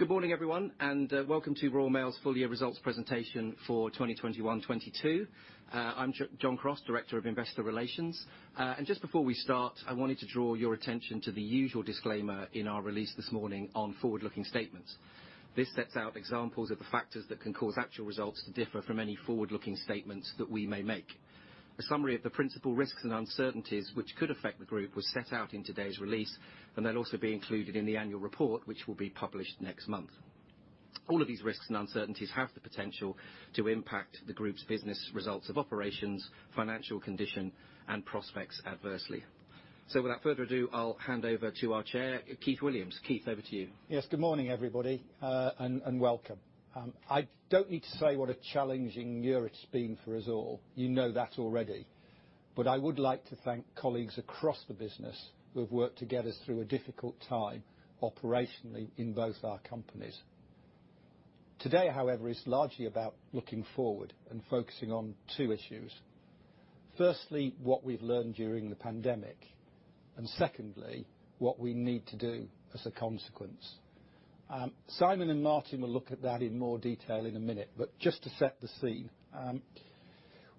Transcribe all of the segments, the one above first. Good morning, everyone, and welcome to Royal Mail's Full Year Results Presentation for 2021-2022. I'm John Crosse, Director of Investor Relations. And just before we start, I wanted to draw your attention to the usual disclaimer in our release this morning on forward-looking statements. This sets out examples of the factors that can cause actual results to differ from any forward-looking statements that we may make. A summary of the principal risks and uncertainties which could affect the group was set out in today's release, and they'll also be included in the annual report, which will be published next month. All of these risks and uncertainties have the potential to impact the group's business results of operations, financial condition, and prospects adversely. Without further ado, I'll hand over to our Chair, Keith Williams. Keith, over to you. Yes, good morning, everybody, and welcome. I don't need to say what a challenging year it's been for us all. You know that already. I would like to thank colleagues across the business who have worked to get us through a difficult time operationally in both our companies. Today, however, is largely about looking forward and focusing on two issues. Firstly, what we've learned during the pandemic, and secondly, what we need to do as a consequence. Simon and Martin will look at that in more detail in a minute, but just to set the scene,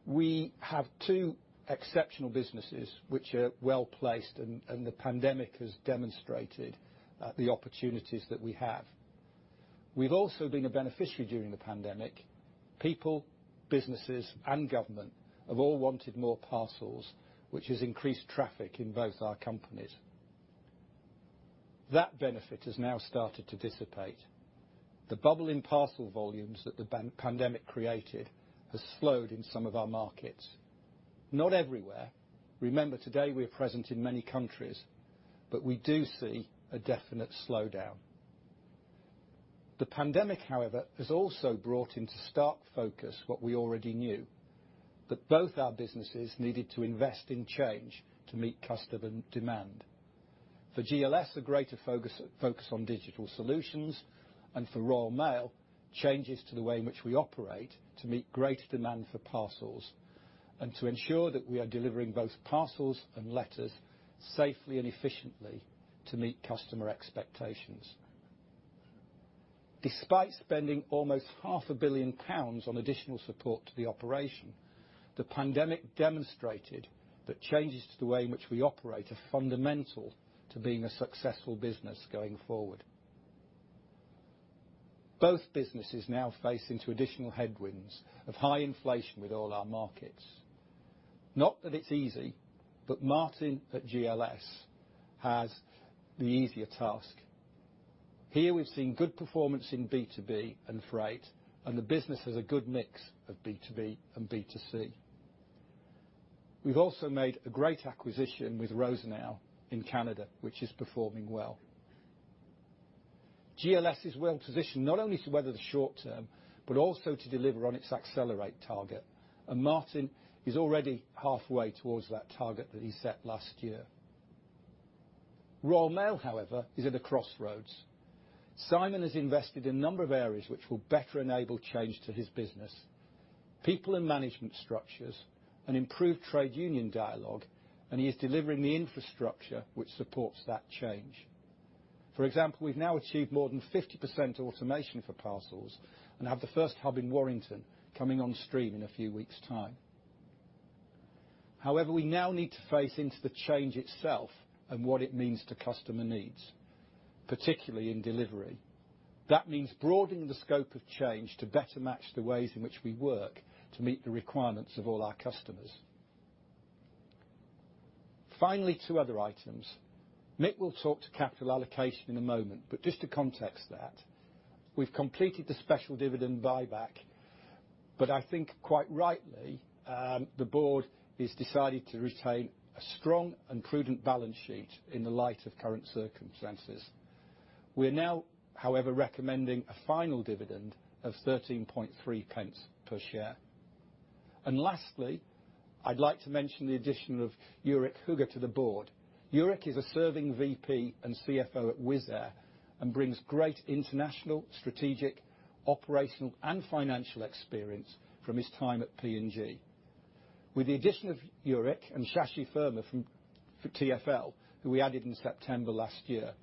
we have two exceptional businesses which are well-placed, and the pandemic has demonstrated the opportunities that we have. We've also been a beneficiary during the pandemic. People, businesses, and government have all wanted more parcels, which has increased traffic in both our companies. That benefit has now started to dissipate. The bubble in parcel volumes that the pandemic created has slowed in some of our markets. Not everywhere. Remember, today, we are present in many countries, but we do see a definite slowdown. The pandemic, however, has also brought into stark focus what we already knew, that both our businesses needed to invest in change to meet customer demand. For GLS, a greater focus on digital solutions, and for Royal Mail, changes to the way in which we operate to meet greater demand for parcels and to ensure that we are delivering both parcels and letters safely and efficiently to meet customer expectations. Despite spending almost half a billion pounds on additional support to the operation, the pandemic demonstrated that changes to the way in which we operate are fundamental to being a successful business going forward. Both businesses now face into additional headwinds of high inflation with all our markets. Not that it's easy, but Martin at GLS has the easier task. Here, we've seen good performance in B2B and freight, and the business has a good mix of B2B and B2C. We've also made a great acquisition with Rosenau in Canada, which is performing well. GLS is well-positioned not only to weather the short term, but also to deliver on its Accelerate target, and Martin is already halfway towards that target that he set last year. Royal Mail, however, is at a crossroads. Simon has invested in a number of areas which will better enable change to his business, people and management structures, an improved trade union dialogue, and he is delivering the infrastructure which supports that change. For example, we've now achieved more than 50% automation for parcels and have the first hub in Warrington coming on stream in a few weeks' time. However, we now need to face into the change itself and what it means to customer needs, particularly in delivery. That means broadening the scope of change to better match the ways in which we work to meet the requirements of all our customers. Finally, two other items. Mick will talk to capital allocation in a moment, but just to context that, we've completed the special dividend buyback, but I think quite rightly, the board has decided to retain a strong and prudent balance sheet in the light of current circumstances. We're now, however, recommending a final dividend of 13.3 per share. Lastly, I'd like to mention the addition of Jourik Hooghe to the board. Jourik Hooghe is a serving VP and CFO at Wizz Air and brings great international, strategic, operational, and financial experience from his time at P&G. With the addition of Jourik Hooghe and Shashi Verma from TfL, who we added in September last year,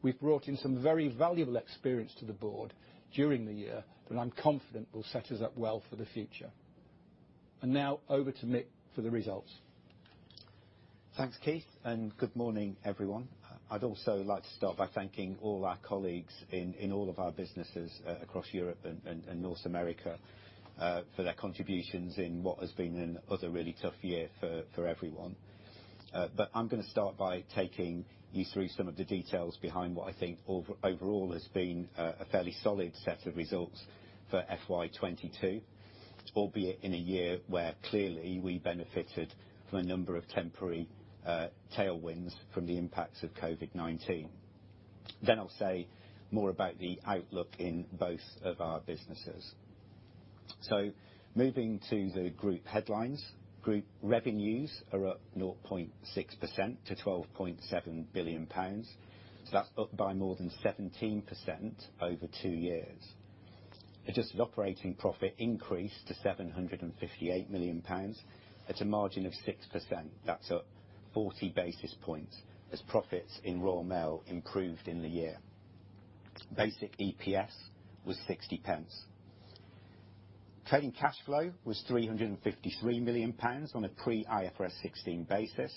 we've brought in some very valuable experience to the board during the year that I'm confident will set us up well for the future. Now over to Mick for the results. Thanks, Keith, and good morning, everyone. I'd also like to start by thanking all our colleagues in all of our businesses across Europe and North America for their contributions in what has been another really tough year for everyone. I'm gonna start by taking you through some of the details behind what I think overall has been a fairly solid set of results for FY 22, albeit in a year where clearly we benefited from a number of temporary tailwinds from the impacts of COVID-19. I'll say more about the outlook in both of our businesses. Moving to the group headlines, group revenues are up 0.6% to 12.7 billion pounds. That's up by more than 17% over two years. Adjusted operating profit increased to 758 million pounds at a margin of 6%. That's up 40 basis points as profits in Royal Mail improved in the year. Basic EPS was 0.60. Trading cash flow was 353 million pounds on a pre-IFRS 16 basis.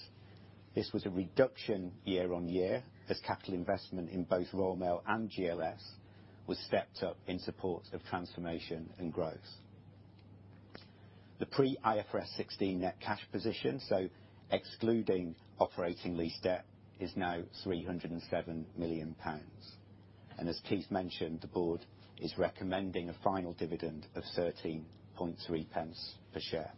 This was a reduction YoY as capital investment in both Royal Mail and GLS was stepped up in support of transformation and growth. The pre-IFRS 16 net cash position, so excluding operating lease debt, is now 307 million pounds. As Keith mentioned, the board is recommending a final dividend of 0.133 per share.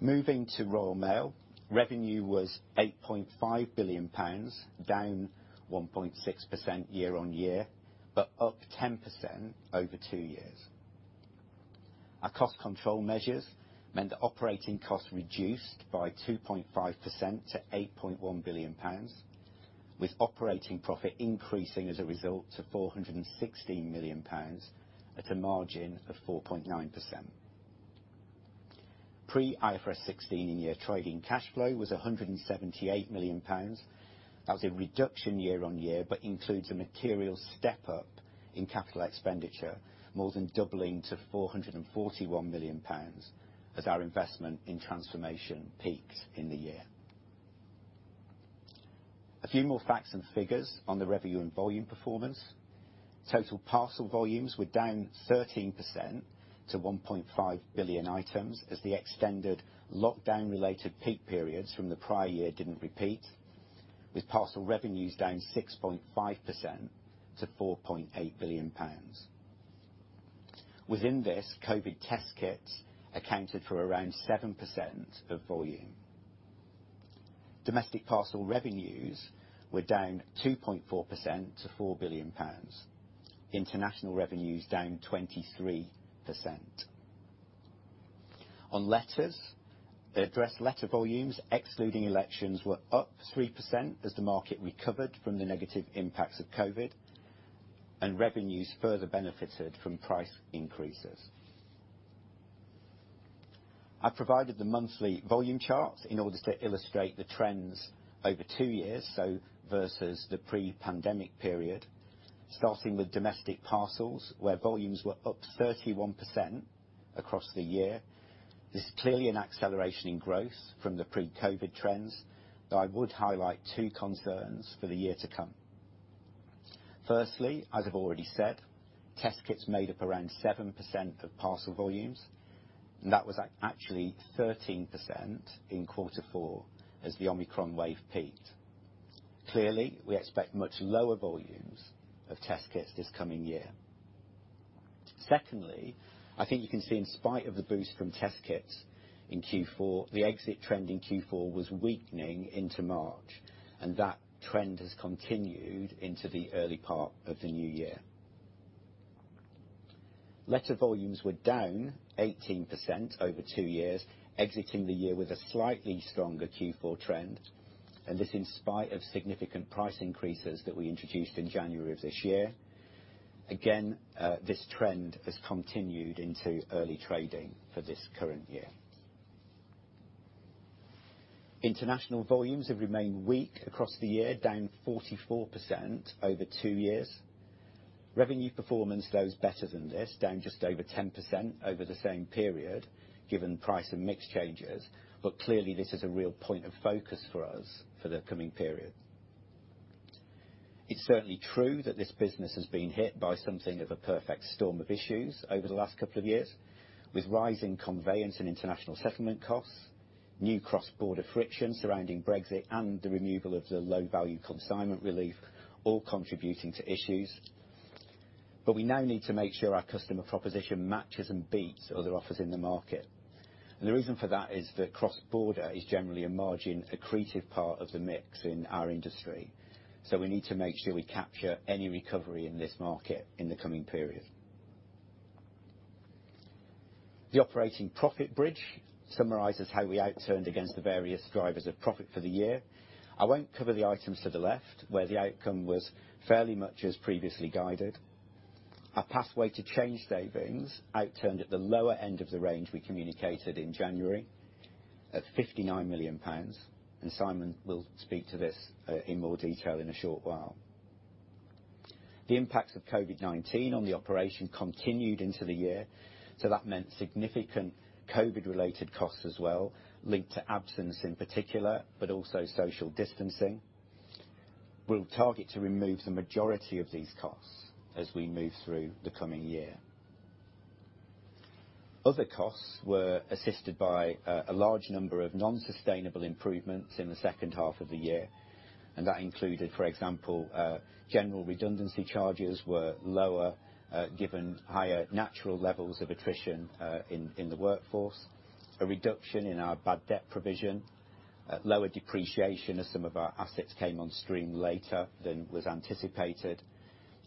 Moving to Royal Mail, revenue was 8.5 billion pounds, down 1.6% YoY, but up 10% over two years. Our cost control measures meant that operating costs reduced by 2.5% to 8.1 billion pounds, with operating profit increasing as a result to 416 million pounds at a margin of 4.9%. Pre-IFRS 16 year trading cash flow was 178 million pounds. That was a reduction YoY, but includes a material step-up in CapEx, more than doubling to 441 million pounds as our investment in transformation peaked in the year. A few more facts and figures on the revenue and volume performance. Total parcel volumes were down 13% to 1.5 billion items as the extended lockdown related peak periods from the prior year didn't repeat, with parcel revenues down 6.5% to 4.8 billion pounds. Within this, COVID test kits accounted for around 7% of volume. Domestic parcel revenues were down 2.4% to 4 billion pounds. International revenues down 23%. On letters, addressed letter volumes, excluding elections, were up 3% as the market recovered from the negative impacts of COVID, and revenues further benefited from price increases. I provided the monthly volume charts in order to illustrate the trends over two years, so versus the pre-pandemic period, starting with domestic parcels, where volumes were up 31% across the year. This is clearly an acceleration in growth from the pre-COVID trends, but I would highlight two concerns for the year to come. Firstly, as I've already said, test kits made up around 7% of parcel volumes, and that was at, actually 13% in quarter four as the Omicron wave peaked. Clearly, we expect much lower volumes of test kits this coming year. Secondly, I think you can see in spite of the boost from test kits in Q4, the exit trend in Q4 was weakening into March, and that trend has continued into the early part of the new year. Letter volumes were down 18% over two years, exiting the year with a slightly stronger Q4 trend, and this in spite of significant price increases that we introduced in January of this year. Again, this trend has continued into early trading for this current year. International volumes have remained weak across the year, down 44% over two years. Revenue performance, though, is better than this, down just over 10% over the same period, given price and mix changes. Clearly this is a real point of focus for us for the coming period. It's certainly true that this business has been hit by something of a perfect storm of issues over the last couple of years. With rising conveyance and international settlement costs, new cross-border friction surrounding Brexit and the removal of the Low Value Consignment Relief all contributing to issues. We now need to make sure our customer proposition matches and beats other offers in the market. The reason for that is that cross-border is generally a margin accretive part of the mix in our industry. We need to make sure we capture any recovery in this market in the coming period. The operating profit bridge summarizes how we outturned against the various drivers of profit for the year. I won't cover the items to the left where the outcome was fairly much as previously guided. Our Pathway to Change savings outturned at the lower end of the range we communicated in January at 59 million pounds, and Simon will speak to this in more detail in a short while. The impacts of COVID-19 on the operation continued into the year, so that meant significant COVID-related costs as well, linked to absence in particular, but also social distancing. We'll target to remove the majority of these costs as we move through the coming year. Other costs were assisted by a large number of non-sustainable improvements in the second half of the year. That included, for example, general redundancy charges were lower given higher natural levels of attrition in the workforce. A reduction in our bad debt provision. Lower depreciation as some of our assets came on stream later than was anticipated.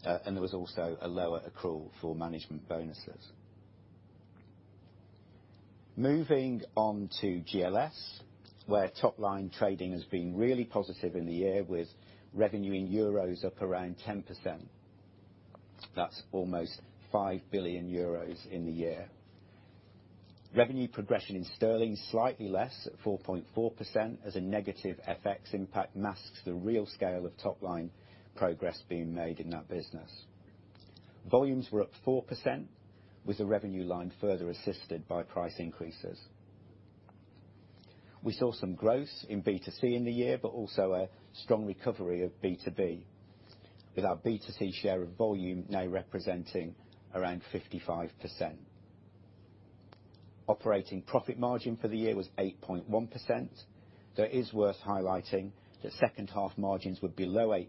There was also a lower accrual for management bonuses. Moving on to GLS, where top line trading has been really positive in the year with revenue in EUR up around 10%. That's almost 5 billion euros in the year. Revenue progression in GBP, slightly less at 4.4% as a negative FX impact masks the real scale of top line progress being made in that business. Volumes were up 4% with the revenue line further assisted by price increases. We saw some growth in B2C in the year, but also a strong recovery of B2B, with our B2C share of volume now representing around 55%. Operating profit margin for the year was 8.1%. That is worth highlighting that second half margins were below 8%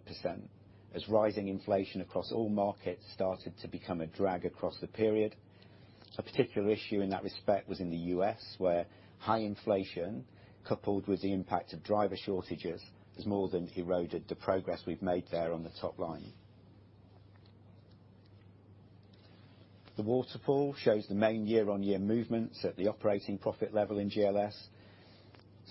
as rising inflation across all markets started to become a drag across the period. A particular issue in that respect was in the U.S., where high inflation coupled with the impact of driver shortages has more than eroded the progress we've made there on the top line. The waterfall shows the main YoY movements at the operating profit level in GLS.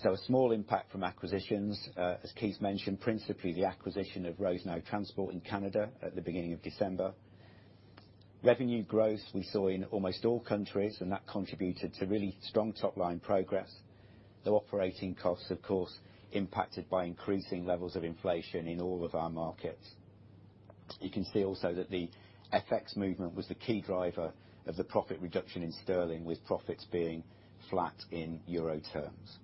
A small impact from acquisitions, as Keith mentioned, principally the acquisition of Rosenau Transport in Canada at the beginning of December. Revenue growth we saw in almost all countries, and that contributed to really strong top-line progress, though operating costs, of course, impacted by increasing levels of inflation in all of our markets. You can see also that the FX movement was the key driver of the profit reduction in sterling, with profits being flat in euro terms.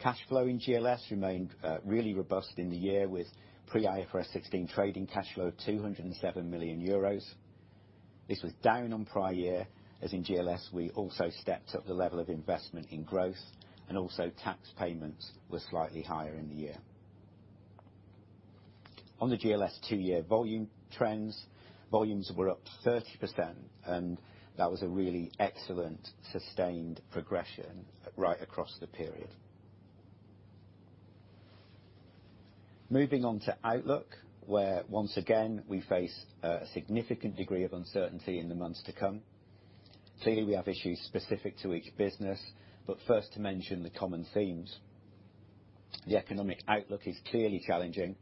Cash flow in GLS remained really robust in the year with pre-IFRS 16 trading cash flow of 207 million euros. This was down on prior year, as in GLS we also stepped up the level of investment in growth and also tax payments were slightly higher in the year. On the GLS two-year volume trends, volumes were up 30%, and that was a really excellent sustained progression right across the period. Moving on to outlook, where once again, we face a significant degree of uncertainty in the months to come. Clearly, we have issues specific to each business, but first to mention the common themes. The economic outlook is clearly challenging,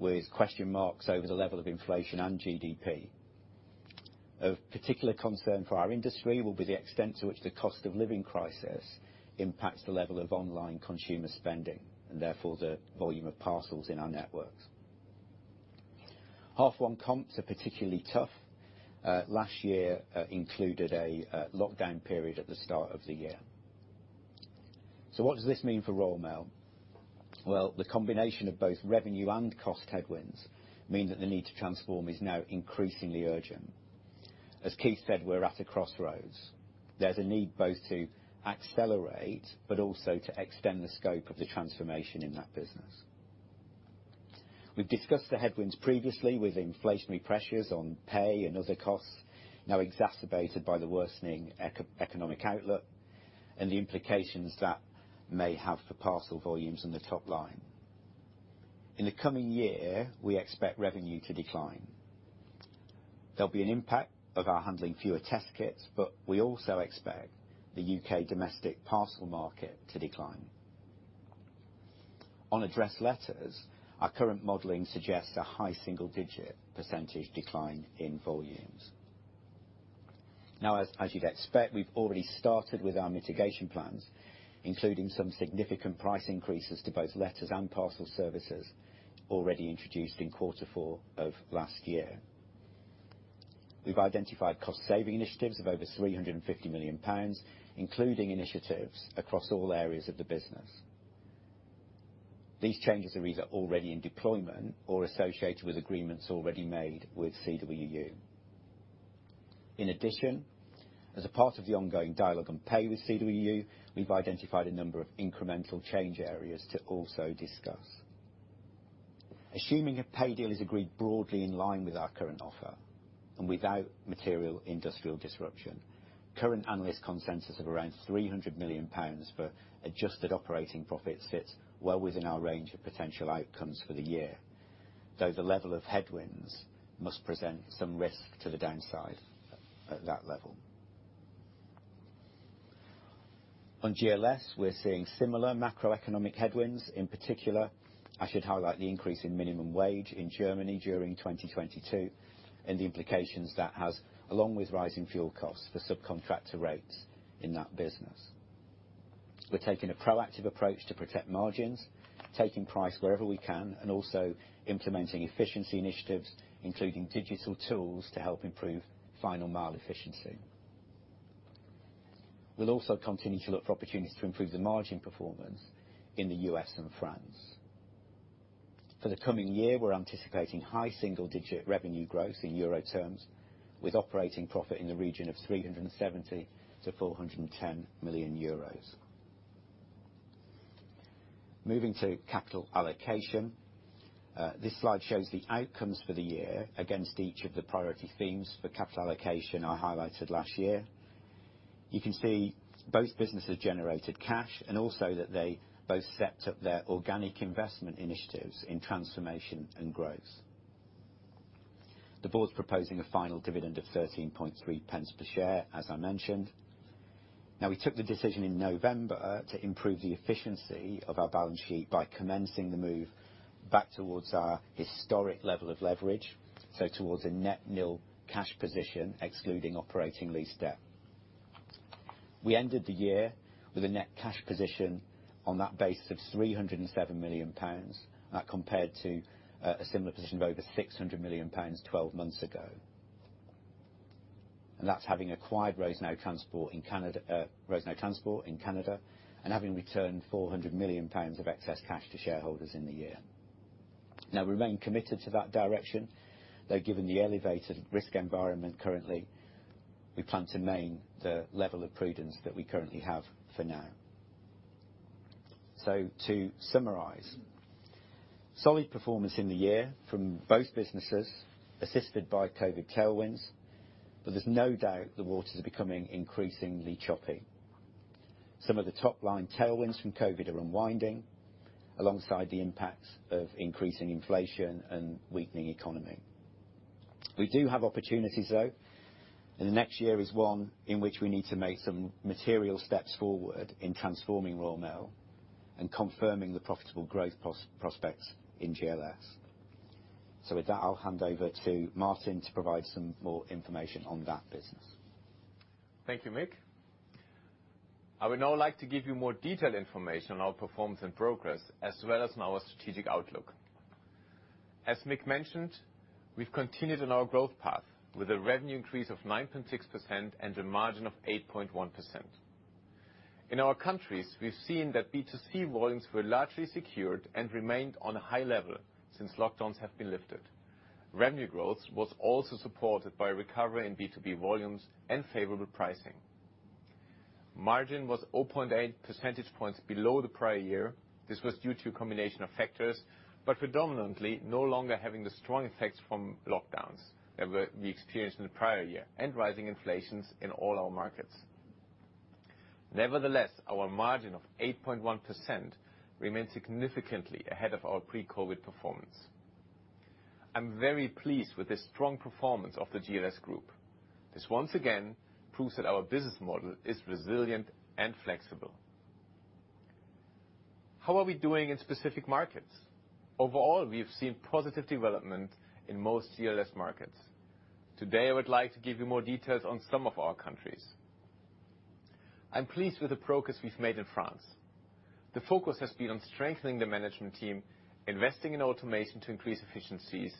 with question marks over the level of inflation and GDP. Of particular concern for our industry will be the extent to which the cost of living crisis impacts the level of online consumer spending, and therefore the volume of parcels in our networks. H1 comps are particularly tough. Last year included a lockdown period at the start of the year. What does this mean for Royal Mail? Well, the combination of both revenue and cost headwinds mean that the need to transform is now increasingly urgent. As Keith said, we're at a crossroads. There's a need both to accelerate but also to extend the scope of the transformation in that business. We've discussed the headwinds previously with inflationary pressures on pay and other costs, now exacerbated by the worsening macro-economic outlook and the implications that may have for parcel volumes in the top line. In the coming year, we expect revenue to decline. There'll be an impact of our handling fewer test kits, but we also expect the UK domestic parcel market to decline. On address letters, our current modeling suggests a high single-digit percent decline in volumes. Now, as you'd expect, we've already started with our mitigation plans, including some significant price increases to both letters and parcel services already introduced in quarter four of last year. We've identified cost-saving initiatives of over 350 million pounds, including initiatives across all areas of the business. These changes are either already in deployment or associated with agreements already made with CWU. In addition, as a part of the ongoing dialogue on pay with CWU, we've identified a number of incremental change areas to also discuss. Assuming a pay deal is agreed broadly in line with our current offer and without material industrial disruption, current analyst consensus of around 300 million pounds for Adjusted operating profits fits well within our range of potential outcomes for the year, though the level of headwinds must present some risk to the downside at that level. On GLS, we're seeing similar macroeconomic headwinds. In particular, I should highlight the increase in minimum wage in Germany during 2022 and the implications that has, along with rising fuel costs for subcontractor rates in that business. We're taking a proactive approach to protect margins, taking price wherever we can, and also implementing efficiency initiatives, including digital tools to help improve final mile efficiency. We'll also continue to look for opportunities to improve the margin performance in the U.S. and France. For the coming year, we're anticipating high single-digit% revenue growth in euro terms, with operating profit in the region of 370 million-410 million euros. Moving to capital allocation. This slide shows the outcomes for the year against each of the priority themes for capital allocation I highlighted last year. You can see both businesses generated cash and also that they both stepped up their organic investment initiatives in transformation and growth. The board's proposing a final dividend of 0.133 per share, as I mentioned. Now, we took the decision in November to improve the efficiency of our balance sheet by commencing the move back towards our historic level of leverage, so towards a net nil cash position, excluding operating lease debt. We ended the year with a net cash position on that base of 307 million pounds, compared to a similar position of over 600 million pounds 12 months ago. That's having acquired Rosenau Transport in Canada and having returned 400 million pounds of excess cash to shareholders in the year. Now we remain committed to that direction, though given the elevated risk environment currently, we plan to maintain the level of prudence that we currently have for now. To summarize, solid performance in the year from both businesses, assisted by COVID tailwinds, but there's no doubt the waters are becoming increasingly choppy. Some of the top-line tailwinds from COVID are unwinding alongside the impacts of increasing inflation and weakening economy. We do have opportunities, though, and the next year is one in which we need to make some material steps forward in transforming Royal Mail and confirming the profitable growth prospects in GLS. With that, I'll hand over to Martin to provide some more information on that business. Thank you, Mick. I would now like to give you more detailed information on our performance and progress as well as on our strategic outlook. As Mick mentioned, we've continued on our growth path with a revenue increase of 9.6% and a margin of 8.1%. In our countries, we've seen that B2C volumes were largely secured and remained on a high level since lockdowns have been lifted. Revenue growth was also supported by recovery in B2B volumes and favorable pricing. Margin was 0.8 percentage points below the prior year. This was due to a combination of factors, but predominantly no longer having the strong effects from lockdowns that we experienced in the prior year and rising inflation in all our markets. Nevertheless, our margin of 8.1% remains significantly ahead of our pre-COVID performance. I'm very pleased with the strong performance of the GLS Group. This once again proves that our business model is resilient and flexible. How are we doing in specific markets? Overall, we have seen positive development in most GLS markets. Today, I would like to give you more details on some of our countries. I'm pleased with the progress we've made in France. The focus has been on strengthening the management team, investing in automation to increase efficiencies,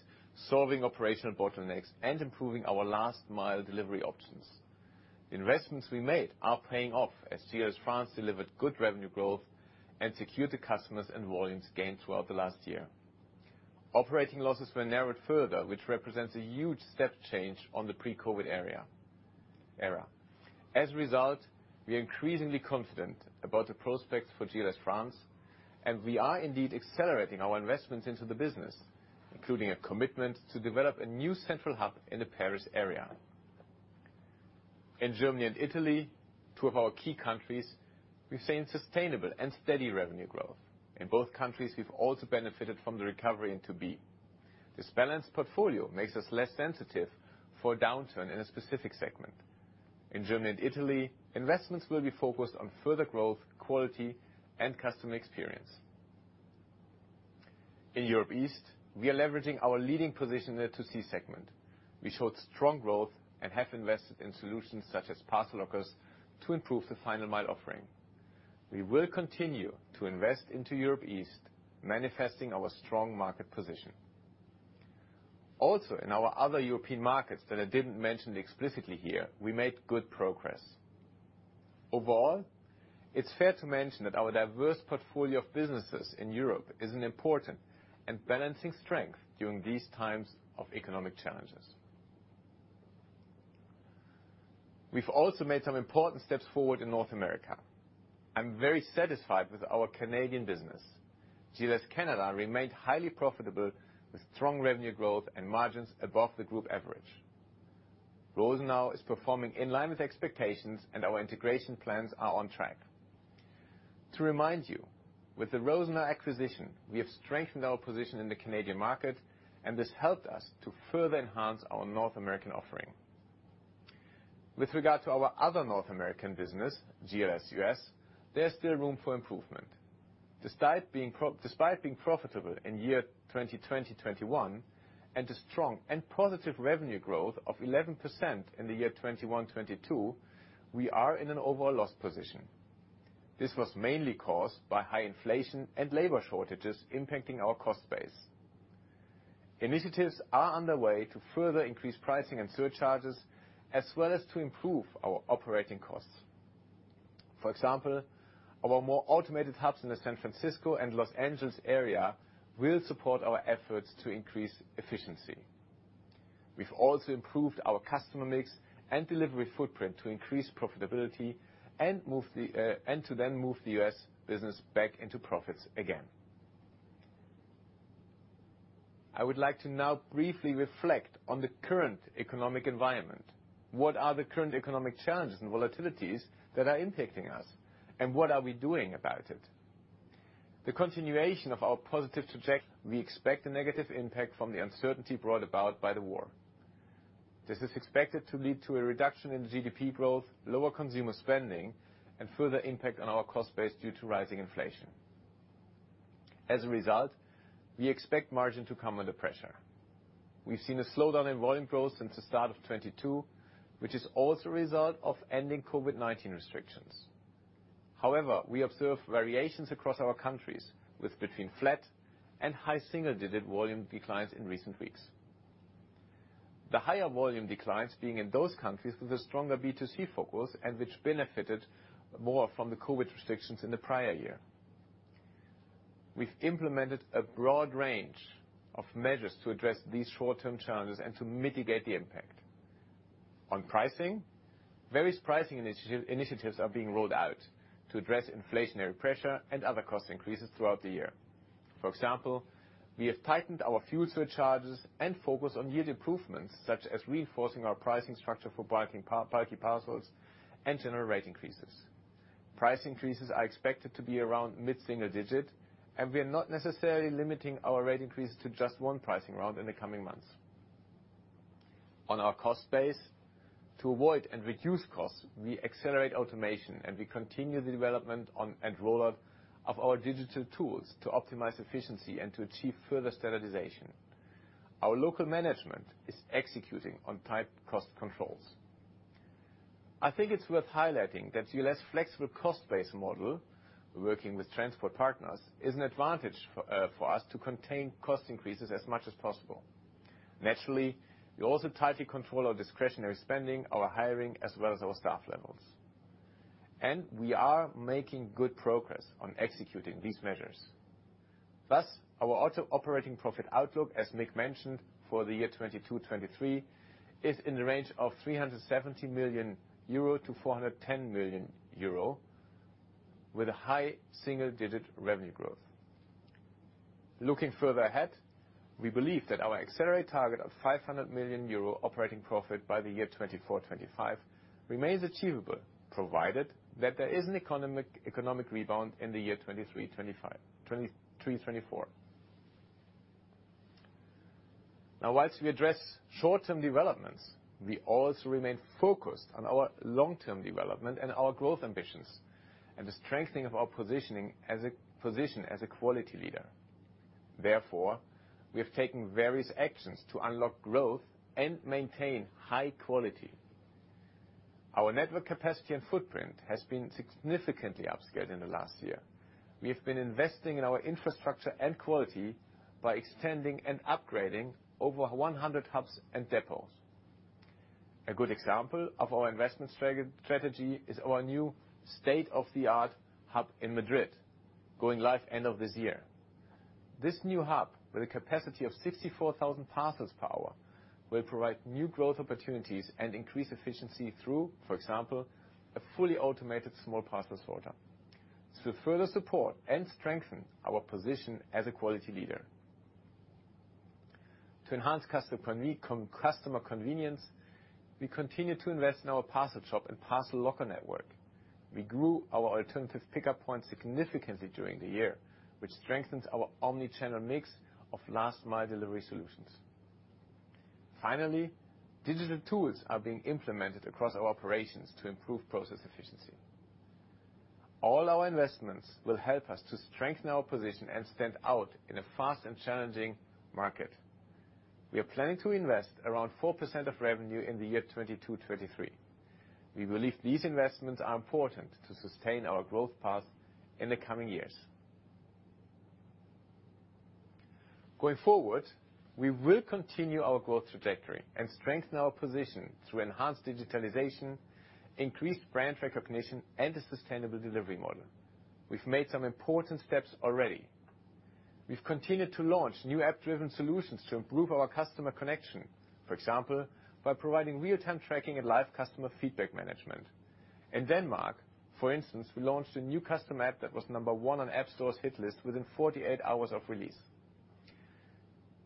solving operational bottlenecks, and improving our last mile delivery options. Investments we made are paying off as GLS France delivered good revenue growth and secured the customers and volumes gained throughout the last year. Operating losses were narrowed further, which represents a huge step change on the pre-COVID era. As a result, we are increasingly confident about the prospects for GLS France, and we are indeed accelerating our investments into the business, including a commitment to develop a new central hub in the Paris area. In Germany and Italy, two of our key countries, we've seen sustainable and steady revenue growth. In both countries, we've also benefited from the recovery in B2B. This balanced portfolio makes us less sensitive for a downturn in a specific segment. In Germany and Italy, investments will be focused on further growth, quality, and customer experience. In Europe East, we are leveraging our leading position in the B2C segment. We showed strong growth and have invested in solutions such as parcel lockers to improve the final mile offering. We will continue to invest into Europe East, manifesting our strong market position. Also, in our other European markets that I didn't mention explicitly here, we made good progress. Overall, it's fair to mention that our diverse portfolio of businesses in Europe is an important and balancing strength during these times of economic challenges. We've also made some important steps forward in North America. I'm very satisfied with our Canadian business. GLS Canada remained highly profitable with strong revenue growth and margins above the group average. Rosenau is performing in line with expectations, and our integration plans are on track. To remind you, with the Rosenau acquisition, we have strengthened our position in the Canadian market, and this helped us to further enhance our North American offering. With regard to our other North American business, GLS U.S., there's still room for improvement. Despite being profitable in year 2020-2021 and a strong and positive revenue growth of 11% in the year 2021-2022, we are in an overall loss position. This was mainly caused by high inflation and labor shortages impacting our cost base. Initiatives are underway to further increase pricing and surcharges as well as to improve our operating costs. For example, our more automated hubs in the San Francisco and Los Angeles area will support our efforts to increase efficiency. We've also improved our customer mix and delivery footprint to increase profitability and move the U.S. business back into profits again. I would like to now briefly reflect on the current economic environment. What are the current economic challenges and volatilities that are impacting us, and what are we doing about it? We expect a negative impact from the uncertainty brought about by the war. This is expected to lead to a reduction in GDP growth, lower consumer spending, and further impact on our cost base due to rising inflation. As a result, we expect margin to come under pressure. We've seen a slowdown in volume growth since the start of 2022, which is also a result of ending COVID-19 restrictions. However, we observe variations across our countries with between flat and high single digit volume declines in recent weeks. The higher volume declines being in those countries with a stronger B2C focus and which benefited more from the COVID restrictions in the prior year. We've implemented a broad range of measures to address these short-term challenges and to mitigate the impact. On pricing, various pricing initiatives are being rolled out to address inflationary pressure and other cost increases throughout the year. For example, we have tightened our fuel surcharges and focus on yield improvements, such as reinforcing our pricing structure for bulky parcels and general rate increases. Price increases are expected to be around mid-single-digit percent, and we are not necessarily limiting our rate increases to just one pricing round in the coming months. On our cost base, to avoid and reduce costs, we accelerate automation and we continue the development and rollout of our digital tools to optimize efficiency and to achieve further standardization. Our local management is executing on tight cost controls. I think it's worth highlighting that GLS flexible cost-based model, working with transport partners, is an advantage for us to contain cost increases as much as possible. Naturally, we also tightly control our discretionary spending, our hiring, as well as our staff levels. We are making good progress on executing these measures. Thus, our adjusted operating profit outlook, as Mick mentioned, for the year 2022-2023, is in the range of 370 million-410 million euro with a high single-digit revenue growth. Looking further ahead, we believe that our Accelerate target of 500 million euro operating profit by the year 2024-25 remains achievable, provided that there is an economic rebound in the year 2023-2024. Now, while we address short-term developments, we also remain focused on our long-term development and our growth ambitions, and the strengthening of our positioning as a quality leader. Therefore, we have taken various actions to unlock growth and maintain high quality. Our network capacity and footprint has been significantly upscaled in the last year. We have been investing in our infrastructure and quality by extending and upgrading over 100 hubs and depots. A good example of our investment strategy is our new state-of-the-art hub in Madrid, going live end of this year. This new hub, with a capacity of 64,000 parcels per hour, will provide new growth opportunities and increase efficiency through, for example, a fully automated small parcel sorter to further support and strengthen our position as a quality leader. To enhance customer convenience, we continue to invest in our parcel shop and parcel locker network. We grew our alternative pickup point significantly during the year, which strengthens our omni-channel mix of last mile delivery solutions. Finally, digital tools are being implemented across our operations to improve process efficiency. All our investments will help us to strengthen our position and stand out in a fast and challenging market. We are planning to invest around 4% of revenue in the year 2022-2023. We believe these investments are important to sustain our growth path in the coming years. Going forward, we will continue our growth trajectory and strengthen our position through enhanced digitalization, increased brand recognition, and a sustainable delivery model. We've made some important steps already. We've continued to launch new app-driven solutions to improve our customer connection, for example, by providing real-time tracking and live customer feedback management. In Denmark, for instance, we launched a new customer app that was number one on App Store's hit list within 48 hours of release.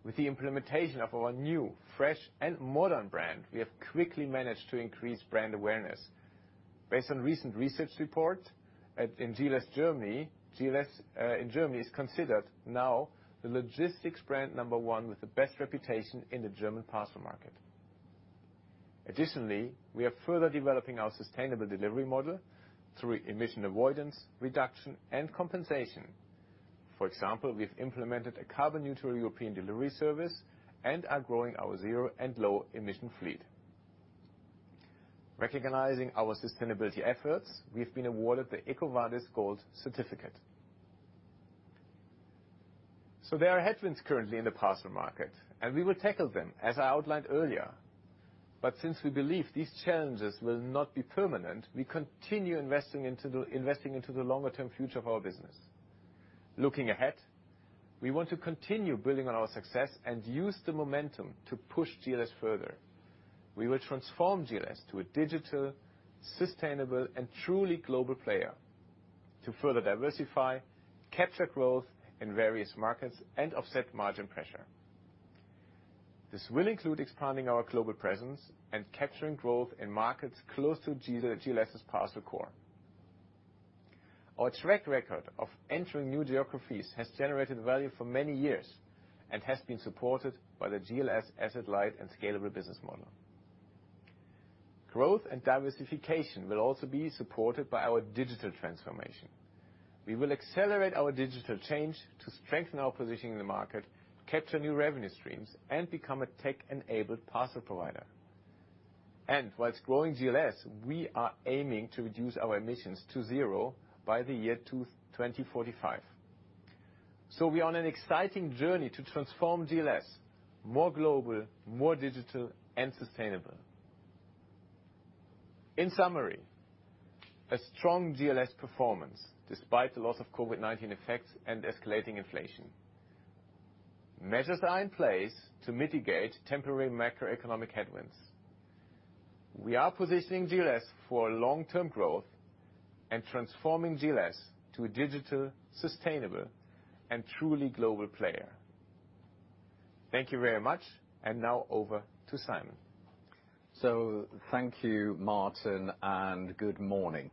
With the implementation of our new, fresh, and modern brand, we have quickly managed to increase brand awareness. Based on recent research reports, in GLS Germany, GLS in Germany is considered now the logistics brand number one with the best reputation in the German parcel market. Additionally, we are further developing our sustainable delivery model through emission avoidance, reduction, and compensation. For example, we've implemented a carbon-neutral European delivery service and are growing our zero and low emission fleet. Recognizing our sustainability efforts, we've been awarded the EcoVadis Gold certificate. There are headwinds currently in the parcel market, and we will tackle them as I outlined earlier. Since we believe these challenges will not be permanent, we continue investing into the longer term future of our business. Looking ahead, we want to continue building on our success and use the momentum to push GLS further. We will transform GLS to a digital, sustainable, and truly global player to further diversify, capture growth in various markets, and offset margin pressure. This will include expanding our global presence and capturing growth in markets close to GLS' parcel core. Our track record of entering new geographies has generated value for many years and has been supported by the GLS asset-light and scalable business model. Growth and diversification will also be supported by our digital transformation. We will accelerate our digital change to strengthen our position in the market, capture new revenue streams, and become a tech-enabled parcel provider. While growing GLS, we are aiming to reduce our emissions to zero by the year 2045. We are on an exciting journey to transform GLS more global, more digital and sustainable. In summary, a strong GLS performance despite the loss of COVID-19 effects and escalating inflation. Measures are in place to mitigate temporary macroeconomic headwinds. We are positioning GLS for long-term growth and transforming GLS to a digital, sustainable, and truly global player. Thank you very much. Now over to Simon. Thank you, Martin, and good morning.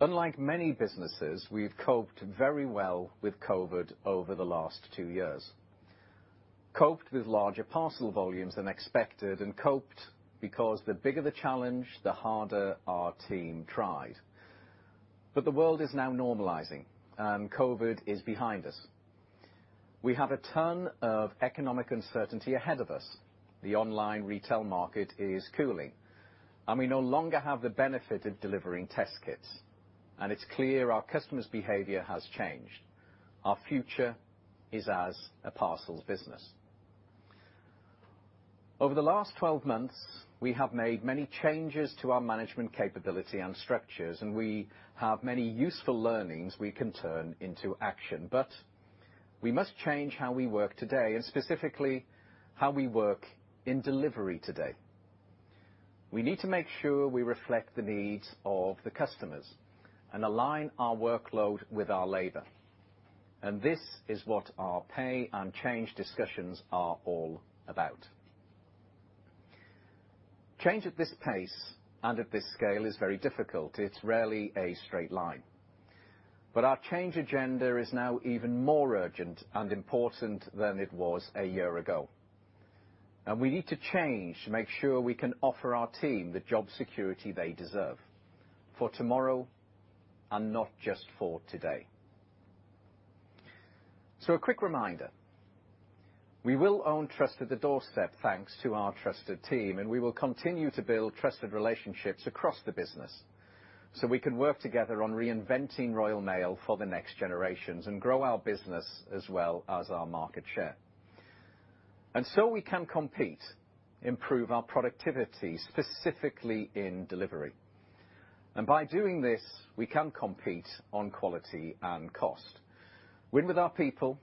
Unlike many businesses, we've coped very well with COVID over the last two years. Coped with larger parcel volumes than expected, and coped because the bigger the challenge, the harder our team tried. The world is now normalizing and COVID is behind us. We have a ton of economic uncertainty ahead of us. The online retail market is cooling, and we no longer have the benefit of delivering test kits. It's clear our customers' behavior has changed. Our future is as a parcels business. Over the last 12 months, we have made many changes to our management capability and structures, and we have many useful learnings we can turn into action. We must change how we work today and specifically how we work in delivery today. We need to make sure we reflect the needs of the customers and align our workload with our labor. This is what our pay and change discussions are all about. Change at this pace and at this scale is very difficult. It's rarely a straight line. Our change agenda is now even more urgent and important than it was a year ago. We need to change to make sure we can offer our team the job security they deserve for tomorrow and not just for today. A quick reminder. We will own trust to the doorstep, thanks to our trusted team, and we will continue to build trusted relationships across the business, so we can work together on reinventing Royal Mail for the next generations and grow our business as well as our market share. We can compete, improve our productivity, specifically in delivery. By doing this, we can compete on quality and cost, win with our people,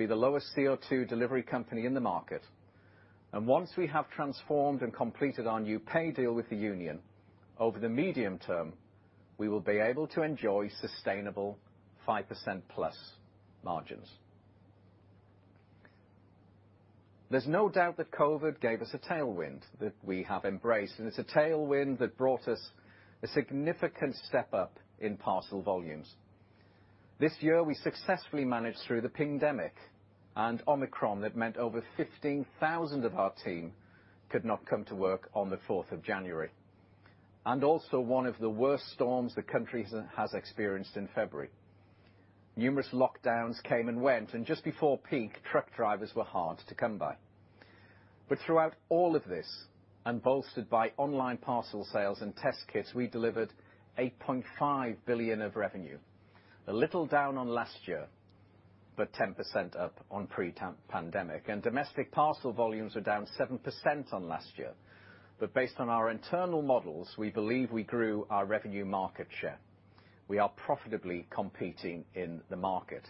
be the lowest CO₂ delivery company in the market. Once we have transformed and completed our new pay deal with the union over the medium term, we will be able to enjoy sustainable +5% margins. There's no doubt that COVID gave us a tailwind that we have embraced, and it's a tailwind that brought us a significant step up in parcel volumes. This year, we successfully managed through the pingdemic and Omicron that meant over 15,000 of our team could not come to work on the fourth of January, and also one of the worst storms the country has experienced in February. Numerous lockdowns came and went, and just before peak, truck drivers were hard to come by. Throughout all of this, and bolstered by online parcel sales and test kits, we delivered 8.5 billion of revenue, a little down on last year, but 10% up on pre-pandemic. Domestic parcel volumes are down 7% on last year. Based on our internal models, we believe we grew our revenue market share. We are profitably competing in the market.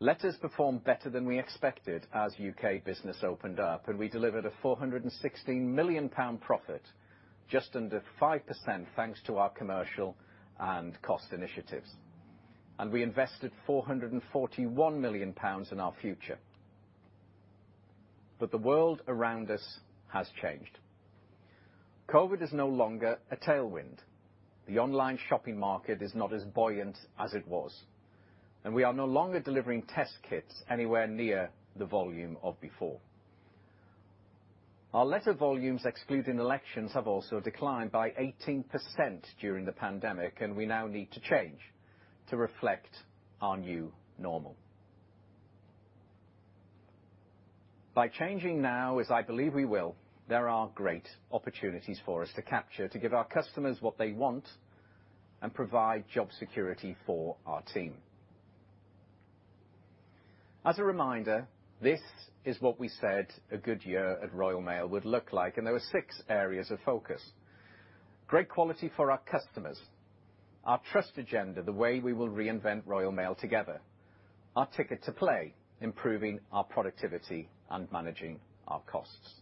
Letters performed better than we expected as U.K. business opened up, and we delivered a 416 million pound profit, just under 5%, thanks to our commercial and cost initiatives. We invested 441 million pounds in our future. The world around us has changed. COVID is no longer a tailwind. The online shopping market is not as buoyant as it was, and we are no longer delivering test kits anywhere near the volume of before. Our letter volumes, excluding elections, have also declined by 18% during the pandemic, and we now need to change to reflect our new normal. By changing now, as I believe we will, there are great opportunities for us to capture to give our customers what they want and provide job security for our team. As a reminder, this is what we said a good year at Royal Mail would look like, and there were six areas of focus. Great quality for our customers. Our trust agenda, the way we will reinvent Royal Mail together. Our ticket to play, improving our productivity and managing our costs.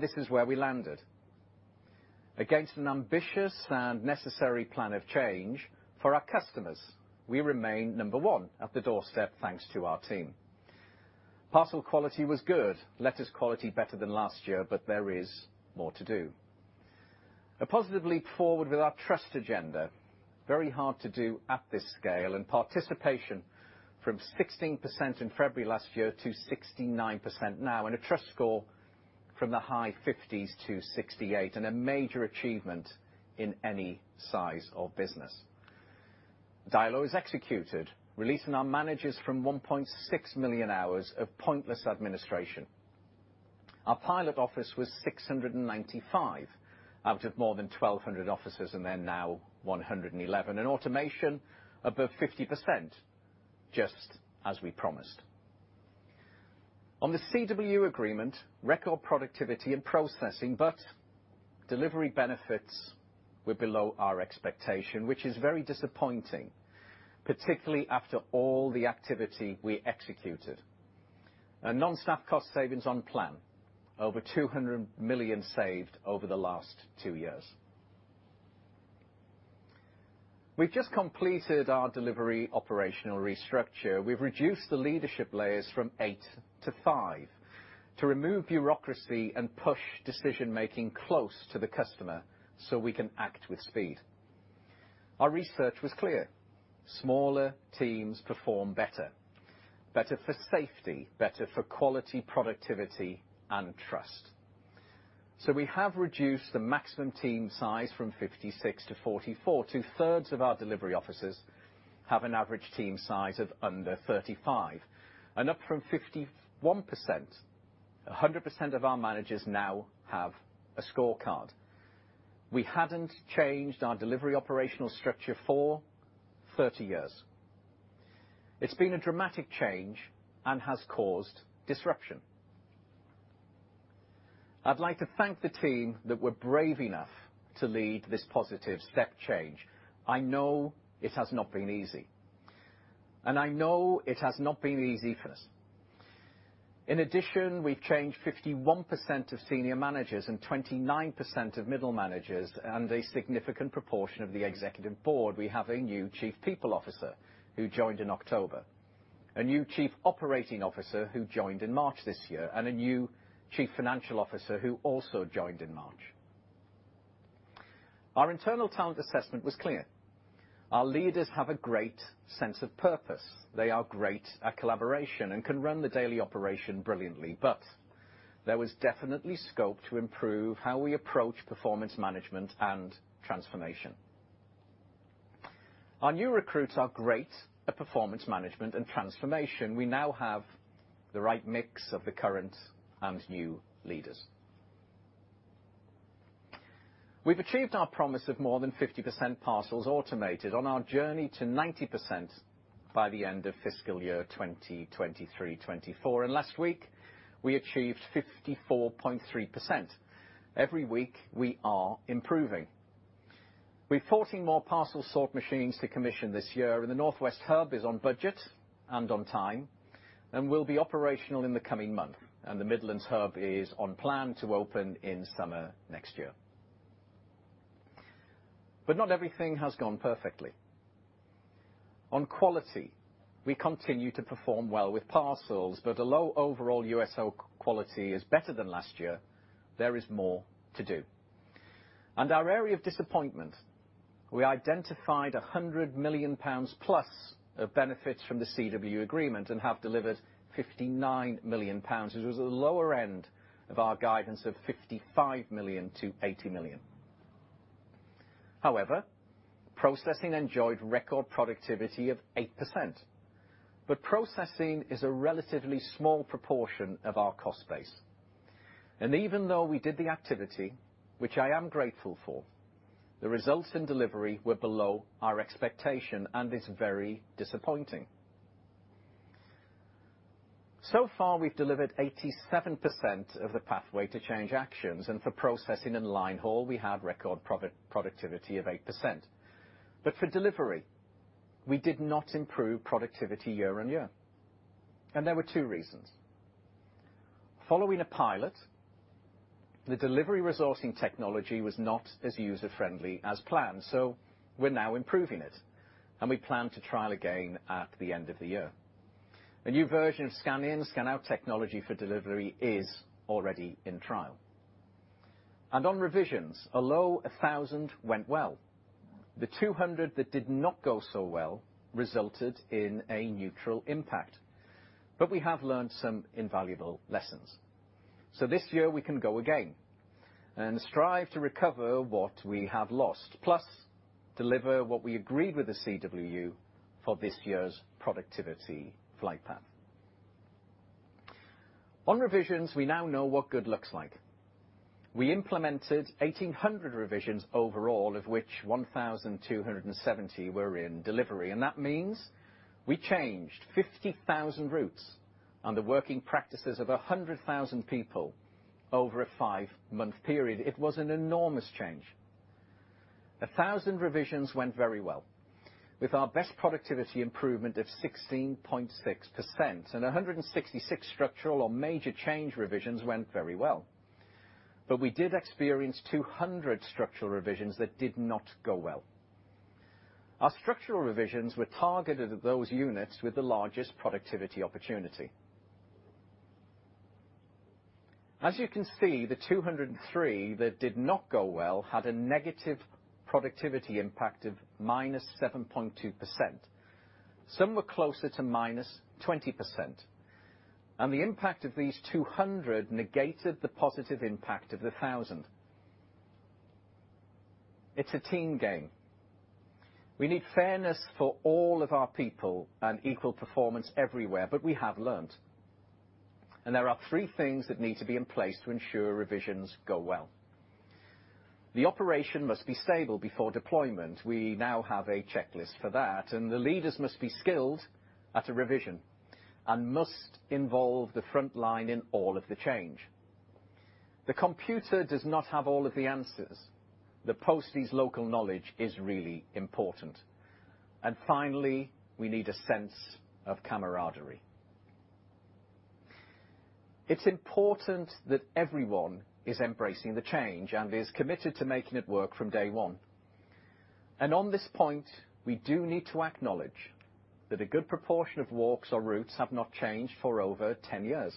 This is where we landed. Against an ambitious and necessary plan of change for our customers, we remain number one at the doorstep, thanks to our team. Parcel quality was good, letters quality better than last year, but there is more to do. A positive leap forward with our trust agenda, very hard to do at this scale, and participation from 16% in February last year to 69% now, and a trust score from the high 50s - 68, and a major achievement in any size of business. DILO is executed, releasing our managers from 1.6 million hours of pointless administration. Our pilot office was 695 out of more than 1,200 offices, and they're now 111. In automation, above 50%, just as we promised. On the CWU agreement, record productivity and processing, but delivery benefits were below our expectation, which is very disappointing, particularly after all the activity we executed. Non-staff cost savings on plan, over 200 million saved over the last two years. We've just completed our delivery operational restructure. We've reduced the leadership layers from eight to five to remove bureaucracy and push decision-making close to the customer, so we can act with speed. Our research was clear. Smaller teams perform better. Better for safety, better for quality, productivity, and trust. We have reduced the maximum team size from 56 - 44. Two-thirds of our delivery offices have an average team size of under 35. Up from 51%, 100% of our managers now have a scorecard. We hadn't changed our delivery operational structure for 30 years. It's been a dramatic change and has caused disruption. I'd like to thank the team that were brave enough to lead this positive step change. I know it has not been easy, and I know it has not been easy for us. In addition, we've changed 51% of senior managers and 29% of middle managers, and a significant proportion of the executive board. We have a new chief people officer who joined in October, a new chief operating officer who joined in March this year, and a new chief financial officer who also joined in March. Our internal talent assessment was clear. Our leaders have a great sense of purpose. They are great at collaboration and can run the daily operation brilliantly. There was definitely scope to improve how we approach performance management and transformation. Our new recruits are great at performance management and transformation. We now have the right mix of the current and new leaders. We've achieved our promise of more than 50% parcels automated on our journey to 90% by the end of fiscal year 2023/2024. Last week, we achieved 54.3%. Every week, we are improving. We have 14 more parcel sort machines to commission this year, and the Northwest Hub is on budget and on time and will be operational in the coming month. The Midlands hub is on plan to open in summer next year. Not everything has gone perfectly. On quality, we continue to perform well with parcels, but our overall USO quality is better than last year, there is more to do. Our area of disappointment, we identified +100 million pounds of benefits from the CWU agreement and have delivered 59 million pounds. It was the lower end of our guidance of 55 million-80 million. However, processing enjoyed record productivity of 8%, but processing is a relatively small proportion of our cost base. Even though we did the activity, which I am grateful for, the results in delivery were below our expectation and is very disappointing. We've delivered 87% of the Pathway to Change actions, and for processing and line haul, we have record productivity of 8%. For delivery, we did not improve productivity YoY. There were two reasons. Following a pilot, the delivery resourcing technology was not as user-friendly as planned, so we're now improving it, and we plan to trial again at the end of the year. A new version of scan-in, scan-out technology for delivery is already in trial. On revisions, although 1,000 went well, the 200 that did not go so well resulted in a neutral impact. We have learned some invaluable lessons. This year we can go again and strive to recover what we have lost, plus deliver what we agreed with the CWU for this year's productivity flight path. On revisions, we now know what good looks like. We implemented 1,800 revisions overall, of which 1,270 were in delivery. That means we changed 50,000 routes on the working practices of 100,000 people over a five-month period. It was an enormous change. 1,000 revisions went very well with our best productivity improvement of 16.6% and 166 structural or major change revisions went very well. We did experience 200 structural revisions that did not go well. Our structural revisions were targeted at those units with the largest productivity opportunity. As you can see, the 203 that did not go well had a negative productivity impact of -7.2%. Some were closer to -20%. The impact of these 200 negated the positive impact of the 1,000. It's a team game. We need fairness for all of our people and equal performance everywhere. We have learned, and there are three things that need to be in place to ensure revisions go well. The operation must be stable before deployment. We now have a checklist for that, and the leaders must be skilled at a revision and must involve the front line in all of the change. The computer does not have all of the answers. The postie's local knowledge is really important. Finally, we need a sense of camaraderie. It's important that everyone is embracing the change and is committed to making it work from day one. On this point, we do need to acknowledge that a good proportion of walks or routes have not changed for over 10 years.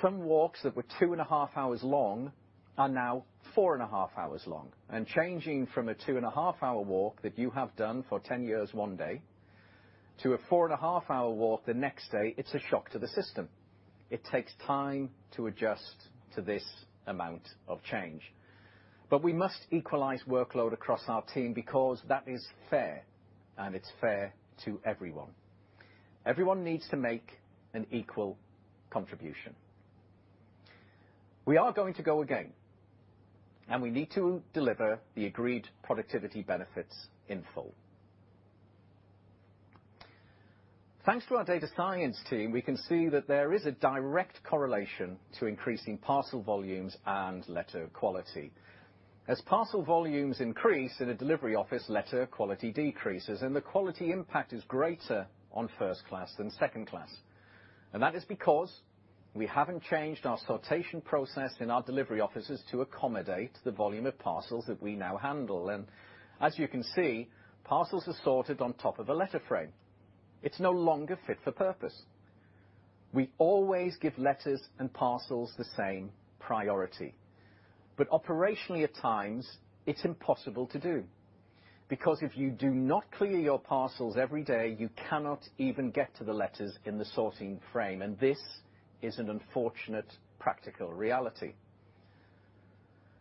Some walks that were two and a half hours long are now four and a half hours long. Changing from a two and a half hour walk that you have done for 10 years one day to a four and a half hour walk the next day, it's a shock to the system. It takes time to adjust to this amount of change. We must equalize workload across our team because that is fair, and it's fair to everyone. Everyone needs to make an equal contribution. We are going to go again, and we need to deliver the agreed productivity benefits in full. Thanks to our data science team, we can see that there is a direct correlation to increasing parcel volumes and letter quality. As parcel volumes increase in a delivery office, letter quality decreases, and the quality impact is greater on first class than second class. That is because we haven't changed our sortation process in our delivery offices to accommodate the volume of parcels that we now handle. As you can see, parcels are sorted on top of a letter frame. It's no longer fit for purpose. We always give letters and parcels the same priority. Operationally, at times, it's impossible to do, because if you do not clear your parcels every day, you cannot even get to the letters in the sorting frame. This is an unfortunate practical reality.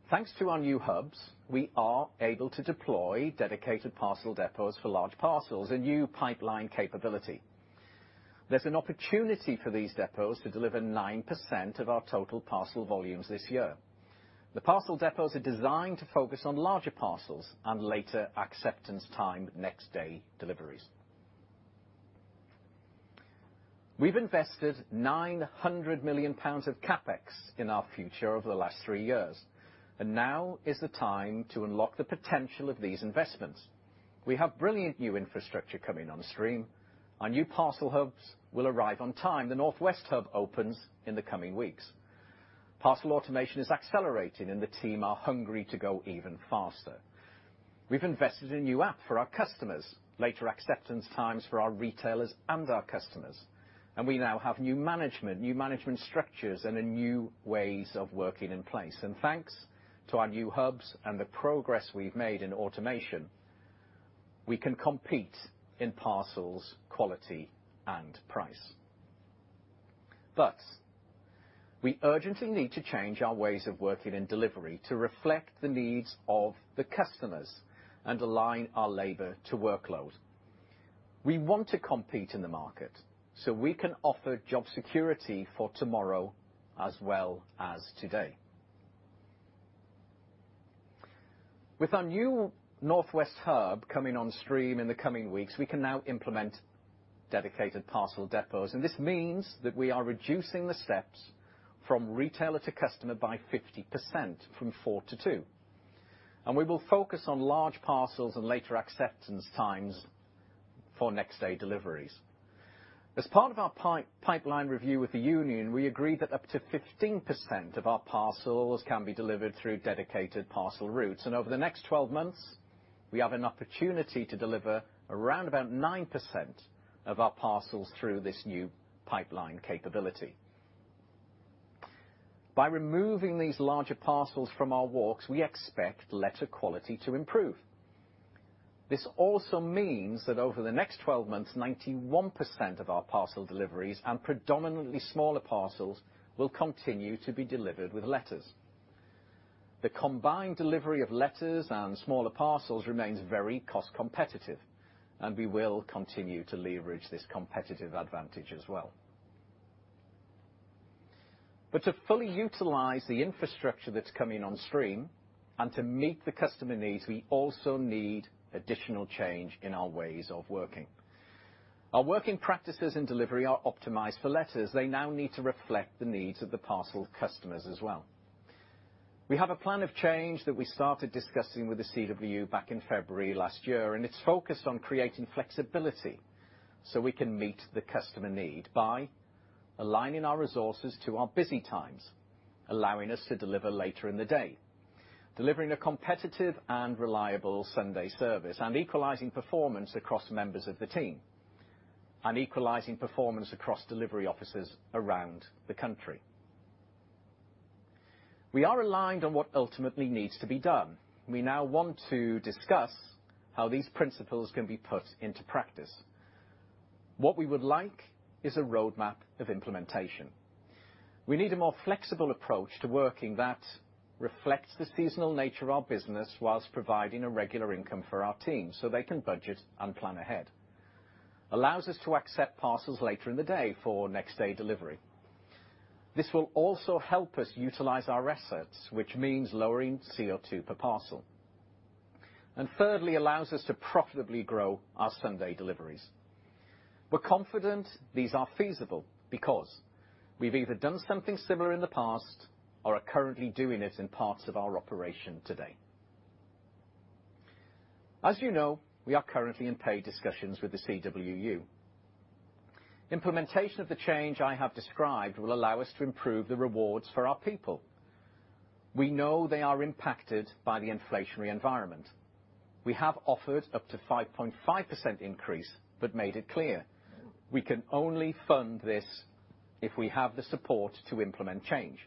Thanks to our new hubs, we are able to deploy dedicated parcel depots for large parcels, a new pipeline capability. There's an opportunity for these depots to deliver 9% of our total parcel volumes this year. The parcel depots are designed to focus on larger parcels and later acceptance time next day deliveries. We've invested 900 million pounds of CapEx in our future over the last three years, and now is the time to unlock the potential of these investments. We have brilliant new infrastructure coming on stream. Our new parcel hubs will arrive on time. The North West hub opens in the coming weeks. Parcel automation is accelerating, and the team are hungry to go even faster. We've invested in a new app for our customers, later acceptance times for our retailers and our customers, and we now have new management, new management structures, and new ways of working in place. Thanks to our new hubs and the progress we've made in automation, we can compete in parcels, quality, and price. We urgently need to change our ways of working in delivery to reflect the needs of the customers and align our labor to workload. We want to compete in the market so we can offer job security for tomorrow as well as today. With our new Northwest Hub coming on stream in the coming weeks, we can now implement dedicated parcel depots, and this means that we are reducing the steps from retailer to customer by 50%, from 4 to 2. We will focus on large parcels and later acceptance times for next day deliveries. As part of our pipeline review with the union, we agreed that up to 15% of our parcels can be delivered through dedicated parcel routes. Over the next twelve months, we have an opportunity to deliver around about 9% of our parcels through this new pipeline capability. By removing these larger parcels from our walks, we expect letter quality to improve. This also means that over the next twelve months, 91% of our parcel deliveries and predominantly smaller parcels will continue to be delivered with letters. The combined delivery of letters and smaller parcels remains very cost competitive, and we will continue to leverage this competitive advantage as well. To fully utilize the infrastructure that's coming on stream and to meet the customer needs, we also need additional change in our ways of working. Our working practices and delivery are optimized for letters. They now need to reflect the needs of the parcel customers as well. We have a plan of change that we started discussing with the CWU back in February last year, and it's focused on creating flexibility, so we can meet the customer need by aligning our resources to our busy times, allowing us to deliver later in the day, delivering a competitive and reliable Sunday service, and equalizing performance across members of the team, and equalizing performance across delivery offices around the country. We are aligned on what ultimately needs to be done. We now want to discuss how these principles can be put into practice. What we would like is a roadmap of implementation. We need a more flexible approach to working that reflects the seasonal nature of our business while providing a regular income for our team, so they can budget and plan ahead. Allows us to accept parcels later in the day for next-day delivery. This will also help us utilize our assets, which means lowering CO₂ per parcel. Thirdly, allows us to profitably grow our Sunday deliveries. We're confident these are feasible because we've either done something similar in the past or are currently doing it in parts of our operation today. As you know, we are currently in pay discussions with the CWU. Implementation of the change I have described will allow us to improve the rewards for our people. We know they are impacted by the inflationary environment. We have offered up to 5.5% increase, but made it clear we can only fund this if we have the support to implement change.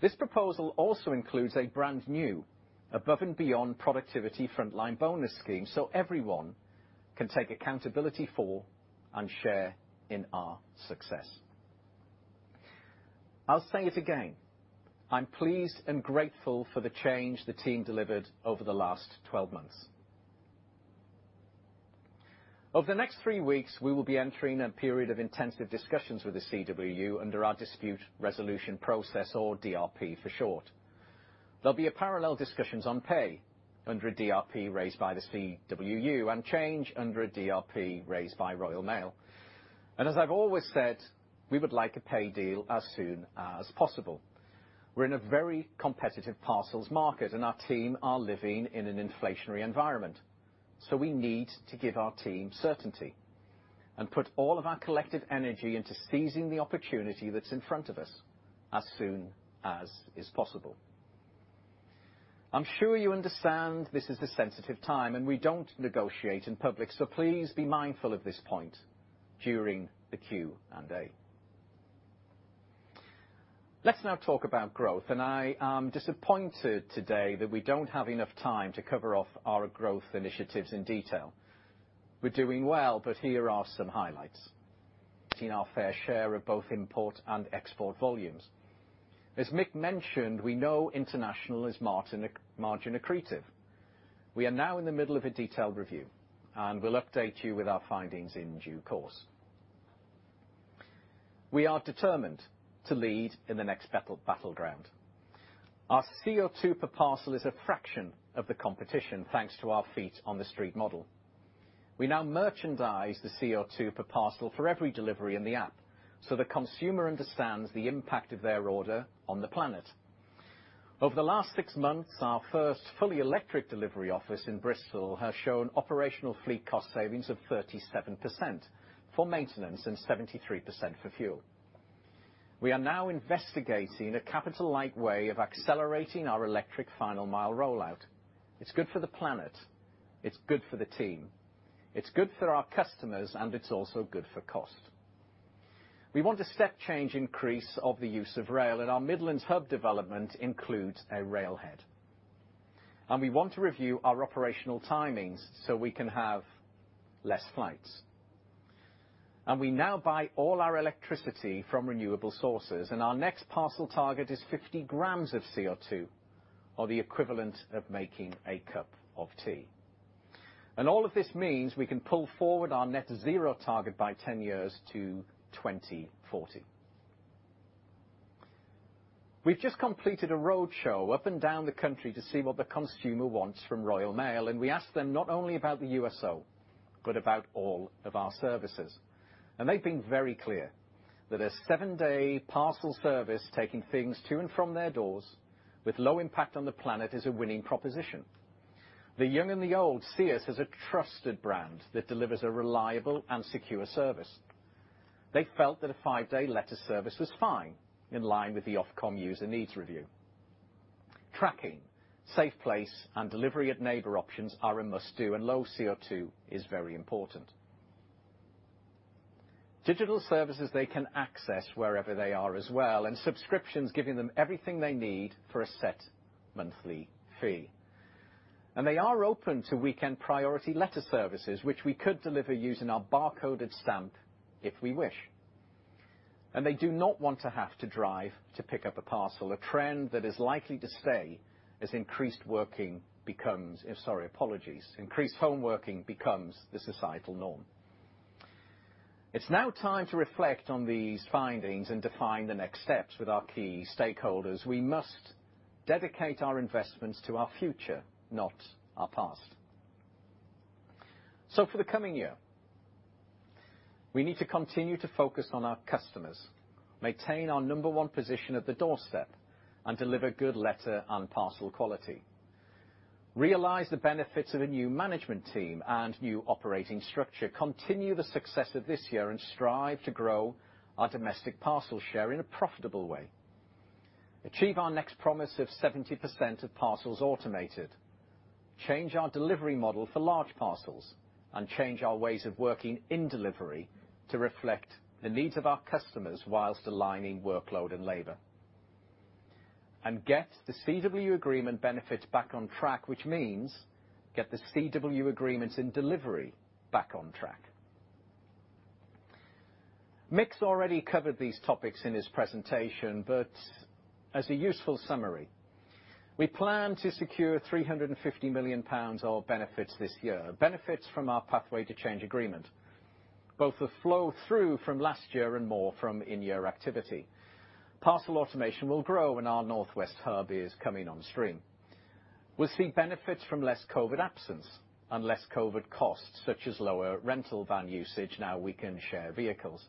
This proposal also includes a brand-new above and beyond productivity frontline bonus scheme, so everyone can take accountability for and share in our success. I'll say it again, I'm pleased and grateful for the change the team delivered over the last 12 months. Over the next three weeks, we will be entering a period of intensive discussions with the CWU under our dispute resolution process, or DRP for short. There'll be parallel discussions on pay under a DRP raised by the CWU and change under a DRP raised by Royal Mail. As I've always said, we would like a pay deal as soon as possible. We're in a very competitive parcels market, and our team are living in an inflationary environment, so we need to give our team certainty and put all of our collective energy into seizing the opportunity that's in front of us as soon as is possible. I'm sure you understand this is a sensitive time, and we don't negotiate in public, so please be mindful of this point during the Q&A. Let's now talk about growth, and I am disappointed today that we don't have enough time to cover off our growth initiatives in detail. We're doing well, but here are some highlights. Gaining our fair share of both import and export volumes. As Mick mentioned, we know international is margin accretive. We are now in the middle of a detailed review, and we'll update you with our findings in due course. We are determined to lead in the next battle, battleground. Our CO₂ per parcel is a fraction of the competition, thanks to our feet on the street model. We now merchandise the CO₂ per parcel for every delivery in the app, so the consumer understands the impact of their order on the planet. Over the last six months, our first fully electric delivery office in Bristol has shown operational fleet cost savings of 37% for maintenance and 73% for fuel. We are now investigating a capital-light way of accelerating our electric final mile rollout. It's good for the planet, it's good for the team, it's good for our customers, and it's also good for cost. We want a step change increase of the use of rail, and our Midlands Hub development includes a railhead. We want to review our operational timings so we can have less flights. We now buy all our electricity from renewable sources, and our next parcel target is 50g of CO₂ or the equivalent of making a cup of tea. All of this means we can pull forward our net zero target by 10 years to 2040. We've just completed a roadshow up and down the country to see what the consumer wants from Royal Mail, and we asked them not only about the USO, but about all of our services. They've been very clear that a seven day parcel service taking things to and from their doors with low impact on the planet is a winning proposition. The young and the old see us as a trusted brand that delivers a reliable and secure service. They felt that a five day letter service was fine in line with the Ofcom user needs review. Tracking, Safeplace, and delivery at neighbor options are a must do, and low CO₂ is very important. Digital services they can access wherever they are as well, and subscriptions giving them everything they need for a set monthly fee. They are open to weekend priority letter services, which we could deliver using our bar-coded stamp if we wish. They do not want to have to drive to pick up a parcel, a trend that is likely to stay as increased home working becomes the societal norm. It's now time to reflect on these findings and define the next steps with our key stakeholders. We must dedicate our investments to our future, not our past. For the coming year, we need to continue to focus on our customers, maintain our number one position at the doorstep, and deliver good letter and parcel quality. Realize the benefits of a new management team and new operating structure. Continue the success of this year and strive to grow our domestic parcel share in a profitable way. Achieve our next promise of 70% of parcels automated. Change our delivery model for large parcels, and change our ways of working in delivery to reflect the needs of our customers while aligning workload and labor. Get the CWU agreement benefits back on track, which means get the CWU agreements and delivery back on track. Mick's already covered these topics in his presentation, but as a useful summary, we plan to secure 350 million pounds of benefits this year. Benefits from our Pathway to Change agreement, both the flow through from last year and more from in-year activity. Parcel automation will grow, and our Northwest Hub is coming on stream. We'll see benefits from less COVID absence and less COVID costs, such as lower rental van usage, now we can share vehicles.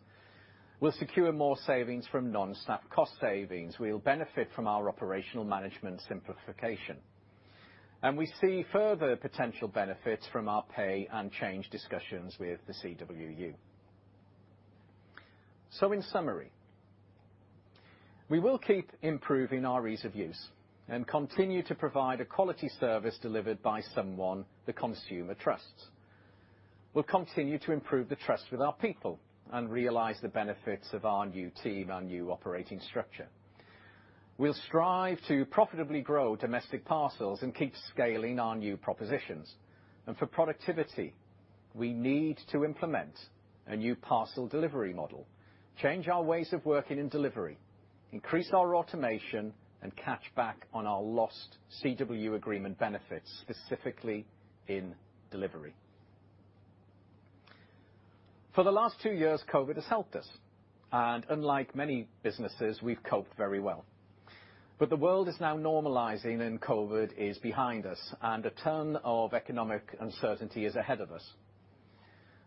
We'll secure more savings from non-staff cost savings. We'll benefit from our operational management simplification. We see further potential benefits from our Pathway to Change discussions with the CWU. In summary, we will keep improving our ease of use and continue to provide a quality service delivered by someone the consumer trusts. We'll continue to improve the trust with our people and realize the benefits of our new team, our new operating structure. We'll strive to profitably grow domestic parcels and keep scaling our new propositions. For productivity, we need to implement a new parcel delivery model, change our ways of working in delivery, increase our automation, and catch back on our lost CWU agreement benefits, specifically in delivery. For the last two years, COVID has helped us, and unlike many businesses, we've coped very well. The world is now normalizing and COVID is behind us, and a ton of economic uncertainty is ahead of us.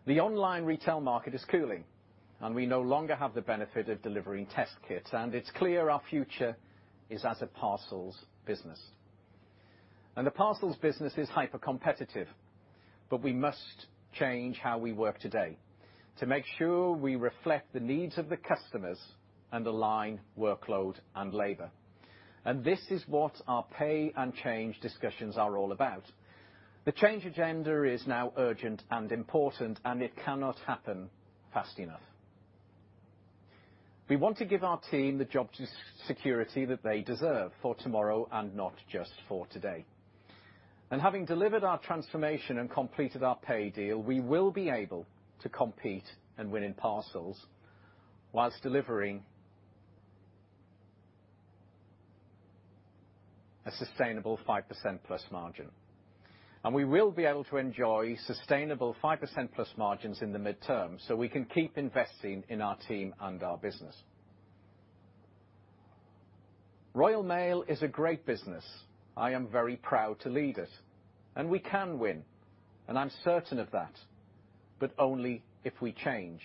The online retail market is cooling, and we no longer have the benefit of delivering test kits, and it's clear our future is as a parcels business. The parcels business is hypercompetitive, but we must change how we work today to make sure we reflect the needs of the customers and align workload and labor. This is what our pay and change discussions are all about. The change agenda is now urgent and important, and it cannot happen fast enough. We want to give our team the job security that they deserve for tomorrow and not just for today. Having delivered our transformation and completed our pay deal, we will be able to compete and win in parcels while delivering a sustainable 5% plus margin. We will be able to enjoy sustainable +5% margins in the midterm so we can keep investing in our team and our business. Royal Mail is a great business. I am very proud to lead it. We can win, and I'm certain of that, but only if we change,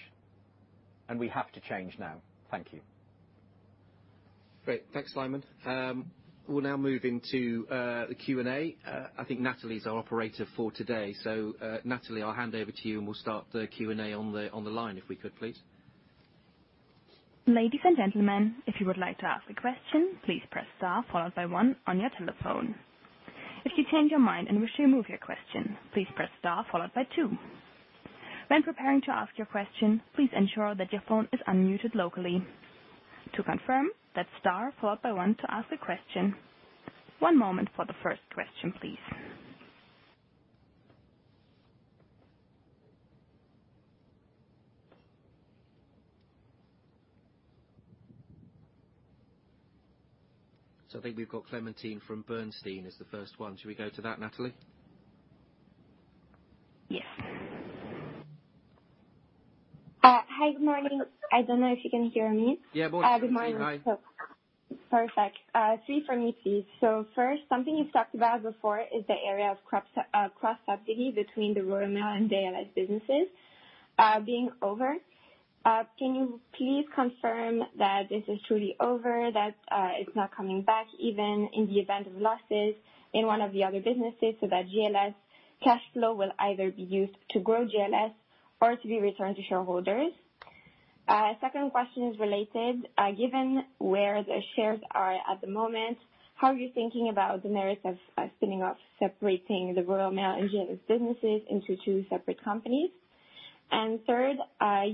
and we have to change now. Thank you. Great. Thanks, Simon. We'll now move into the Q&A. I think Natalie is our operator for today. Natalie, I'll hand over to you, and we'll start the Q&A on the line, if we could, please. Ladies and gentlemen, if you would like to ask a question, please press star followed by one on your telephone. If you change your mind and wish to remove your question, please press star followed by two. When preparing to ask your question, please ensure that your phone is unmuted locally. To confirm, that's star followed by one to ask a question. One moment for the first question, please. I think we've got Clementine from Bernstein as the first one. Should we go to that, Natalie? Yes. Hi. Good morning. I don't know if you can hear me. Yeah. Morning, Clementine. Hi. Good morning. Perfect. Three for me, please. First, something you've talked about before is the area of cross-subsidy between the Royal Mail and GLS businesses being over. Can you please confirm that this is truly over, that it's not coming back, even in the event of losses in one of the other businesses, so that GLS cash flow will either be used to grow GLS or to be returned to shareholders? Second question is related. Given where the shares are at the moment, how are you thinking about the merits of spinning off, separating the Royal Mail and GLS businesses into two separate companies? Third,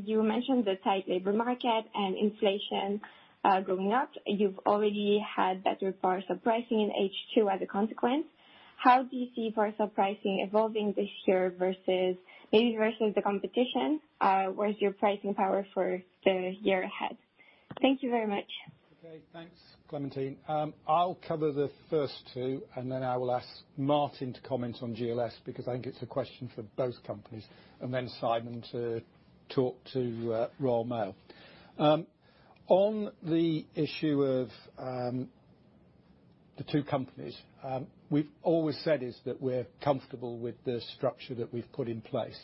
you mentioned the tight labor market and inflation growing. You've already had better parcel pricing in H2 as a consequence. How do you see parcel pricing evolving this year versus the competition? Where's your pricing power for the year ahead? Thank you very much. Okay, thanks, Clementine. I'll cover the first two, and then I will ask Martin to comment on GLS because I think it's a question for both companies, and then Simon to talk to Royal Mail. On the issue of the two companies, we've always said is that we're comfortable with the structure that we've put in place,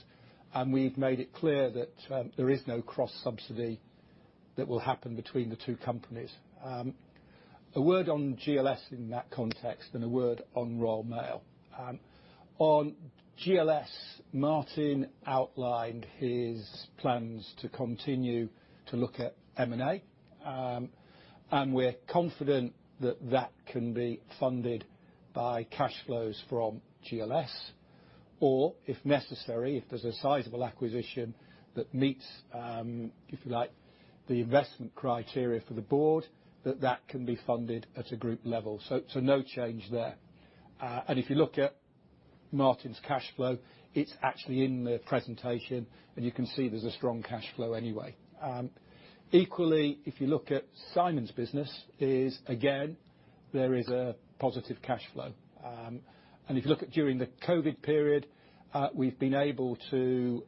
and we've made it clear that there is no cross subsidy that will happen between the two companies. A word on GLS in that context and a word on Royal Mail. On GLS, Martin outlined his plans to continue to look at M&A. We're confident that that can be funded by cash flows from GLS or, if necessary, if there's a sizable acquisition that meets, if you like, the investment criteria for the board, that that can be funded at a group level. No change there. If you look at Martin's cash flow, it's actually in the presentation, and you can see there's a strong cash flow anyway. Equally, if you look at Simon's business is again, there is a positive cash flow. If you look at during the COVID period, we've been able to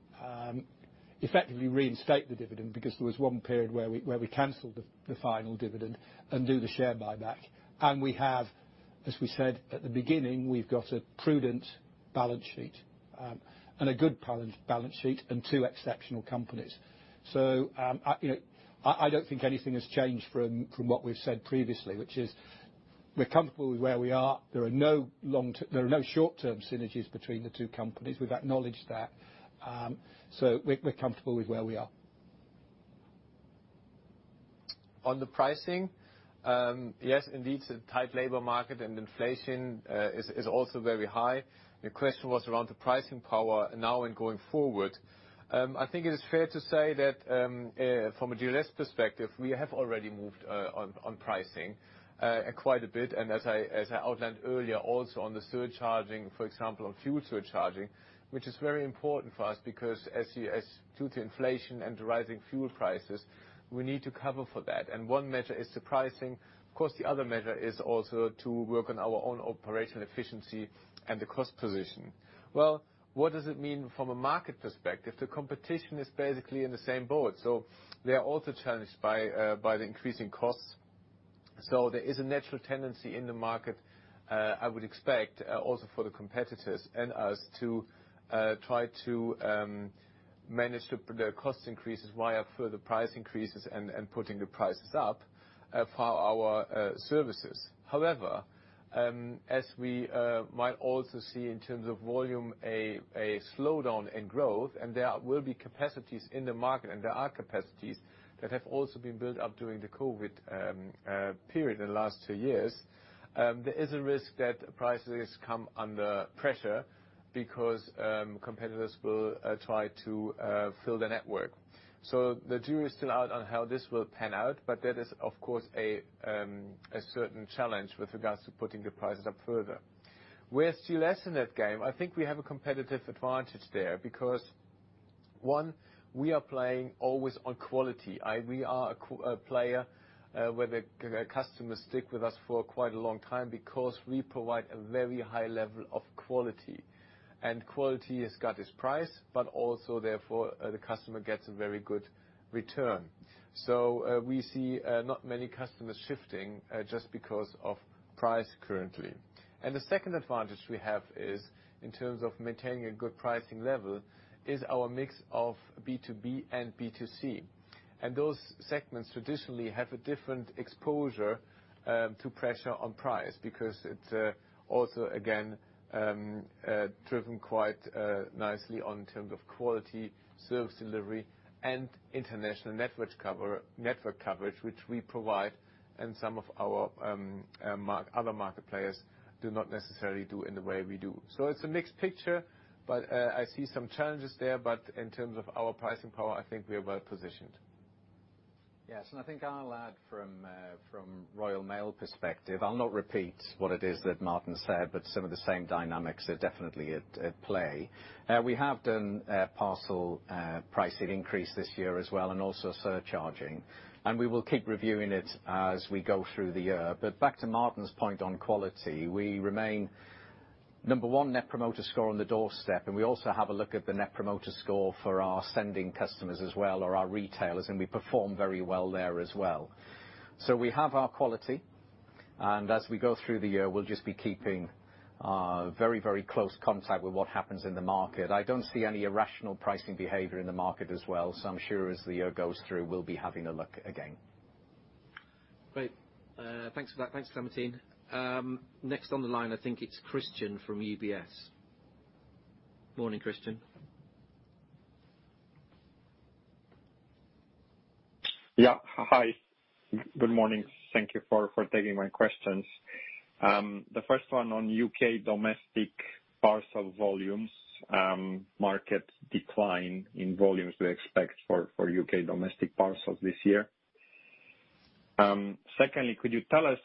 effectively reinstate the dividend because there was one period where we canceled the final dividend and do the share buyback. We have, as we said at the beginning, we've got a prudent balance sheet and a good balance sheet and two exceptional companies. I you know don't think anything has changed from what we've said previously, which is we're comfortable with where we are. There are no short-term synergies between the two companies. We've acknowledged that. We're comfortable with where we are. On the pricing, yes, indeed, the tight labor market and inflation is also very high. The question was around the pricing power now and going forward. I think it is fair to say that from a GLS perspective, we have already moved on pricing quite a bit. As I outlined earlier, also on the surcharging, for example, on fuel surcharging, which is very important for us because due to inflation and the rising fuel prices, we need to cover for that. One measure is the pricing. Of course, the other measure is also to work on our own operational efficiency and the cost position. Well, what does it mean from a market perspective? The competition is basically in the same boat, so they are also challenged by the increasing costs. There is a natural tendency in the market. I would expect also for the competitors and us to try to manage the cost increases via further price increases and putting the prices up for our services. However, as we might also see in terms of volume a slowdown in growth, and there will be capacities in the market, and there are capacities that have also been built up during the COVID period in the last two years, there is a risk that prices come under pressure because competitors will try to fill the network. The jury is still out on how this will pan out, but that is, of course, a certain challenge with regards to putting the prices up further. With GLS in that game, I think we have a competitive advantage there because one, we are playing always on quality. We are a player where the customers stick with us for quite a long time because we provide a very high level of quality, and quality has got its price, but also, therefore, the customer gets a very good return. We see not many customers shifting just because of price currently. The second advantage we have is, in terms of maintaining a good pricing level, is our mix of B2B and B2C. Those segments traditionally have a different exposure to pressure on price because it also again driven quite nicely on terms of quality, service delivery and international network coverage, which we provide and some of our other market players do not necessarily do in the way we do. It's a mixed picture, but I see some challenges there. In terms of our pricing power, I think we are well positioned. Yes, I think I'll add from Royal Mail perspective. I'll not repeat what it is that Martin said, but some of the same dynamics are definitely at play. We have done a parcel pricing increase this year as well and also surcharging, and we will keep reviewing it as we go through the year. Back to Martin's point on quality, we remain number one Net Promoter Score on the doorstep, and we also have a look at the Net Promoter Score for our sending customers as well or our retailers, and we perform very well there as well. We have our quality, and as we go through the year, we'll just be keeping very, very close contact with what happens in the market. I don't see any irrational pricing behavior in the market as well. I'm sure as the year goes through, we'll be having a look again. Great. Thanks for that. Thanks, Clementine. Next on the line, I think it's Christian from UBS. Morning, Christian. Yeah. Hi. Good morning. Thank you for taking my questions. The first one on UK domestic parcel volumes, market decline in volumes we expect for UK domestic parcels this year. Secondly, could you tell us,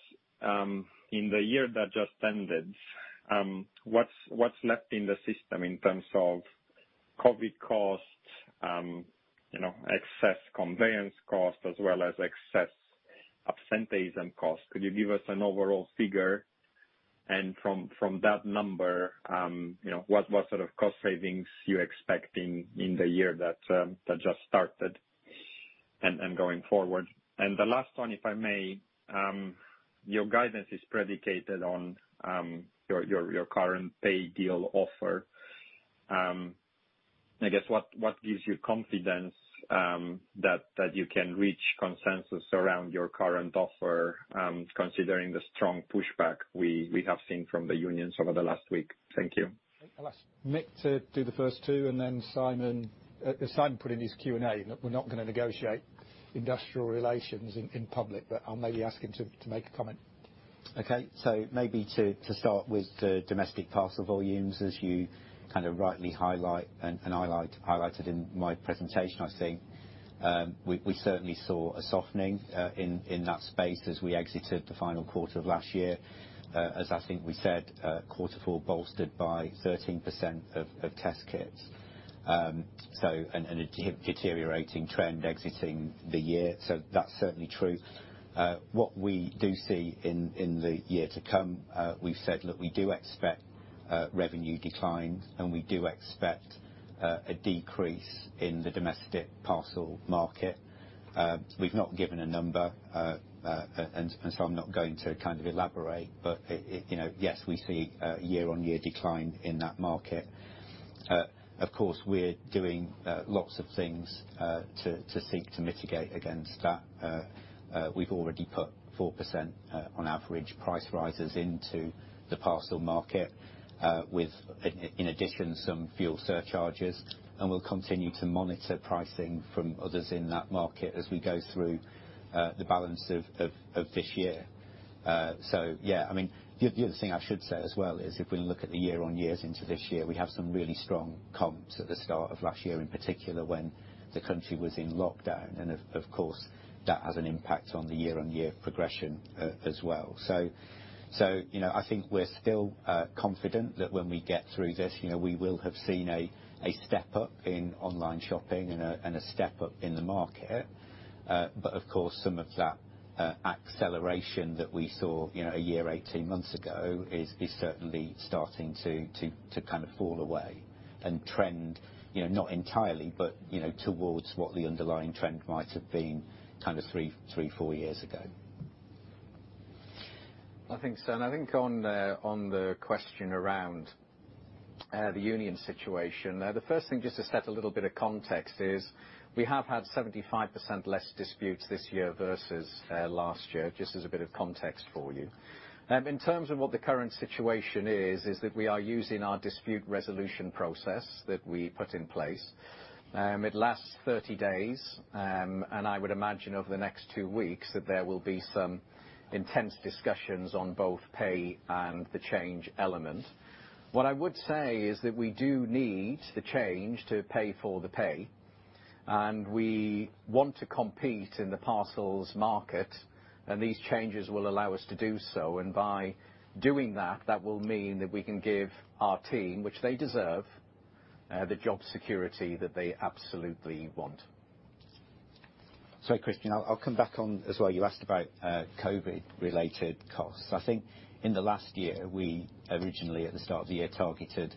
in the year that just ended, what's left in the system in terms of COVID costs, you know, excess conveyance costs as well as excess absenteeism costs. Could you give us an overall figure? From that number, you know, what sort of cost savings you expecting in the year that just started and going forward. The last one, if I may, your guidance is predicated on your current pay deal offer. I guess what gives you confidence that you can reach consensus around your current offer, considering the strong pushback we have seen from the union some of the last week? Thank you. I'll ask Mick to do the first two, and then Simon. As Simon put in his Q&A, we're not gonna negotiate industrial relations in public, but I'll maybe ask him to make a comment. Okay, so maybe to start with the domestic parcel volumes, as you kind of rightly highlight and I like highlighted in my presentation, I think we certainly saw a softening in that space as we exited the final quarter of last year. As I think we said, quarter four bolstered by 13% of test kits and a deteriorating trend exiting the year. That's certainly true. What we do see in the year to come, we've said, look, we do expect revenue declines, and we do expect a decrease in the domestic parcel market. We've not given a number, and so I'm not going to kind of elaborate. It, you know, yes, we see a YoY decline in that market. Of course, we're doing lots of things to seek to mitigate against that. We've already put 4% on average price rises into the parcel market, with in addition some fuel surcharges, and we'll continue to monitor pricing from others in that market as we go through the balance of this year. So yeah. I mean, the other thing I should say as well is if we look at the YoYs into this year, we have some really strong comps at the start of last year, in particular, when the country was in lockdown. Of course, that has an impact on the YoY progression as well. I think we're still confident that when we get through this, you know, we will have seen a step up in online shopping and a step up in the market. Of course, some of that acceleration that we saw, you know, a year, 18 months ago is certainly starting to kind of fall away and trend, you know, not entirely, but, you know, towards what the underlying trend might have been kind of three, four years ago. I think so. I think on the question around the union situation, the first thing just to set a little bit of context is we have had 75% less disputes this year versus last year, just as a bit of context for you. In terms of what the current situation is, that we are using our dispute resolution process that we put in place. It lasts 30 days. I would imagine over the next two weeks that there will be some intense discussions on both pay and the change element. What I would say is that we do need the change to pay for the pay, and we want to compete in the parcels market, and these changes will allow us to do so. By doing that will mean that we can give our team, which they deserve, the job security that they absolutely want. Sorry, Christian, I'll come back on as well. You asked about COVID-related costs. I think in the last year, we originally, at the start of the year, targeted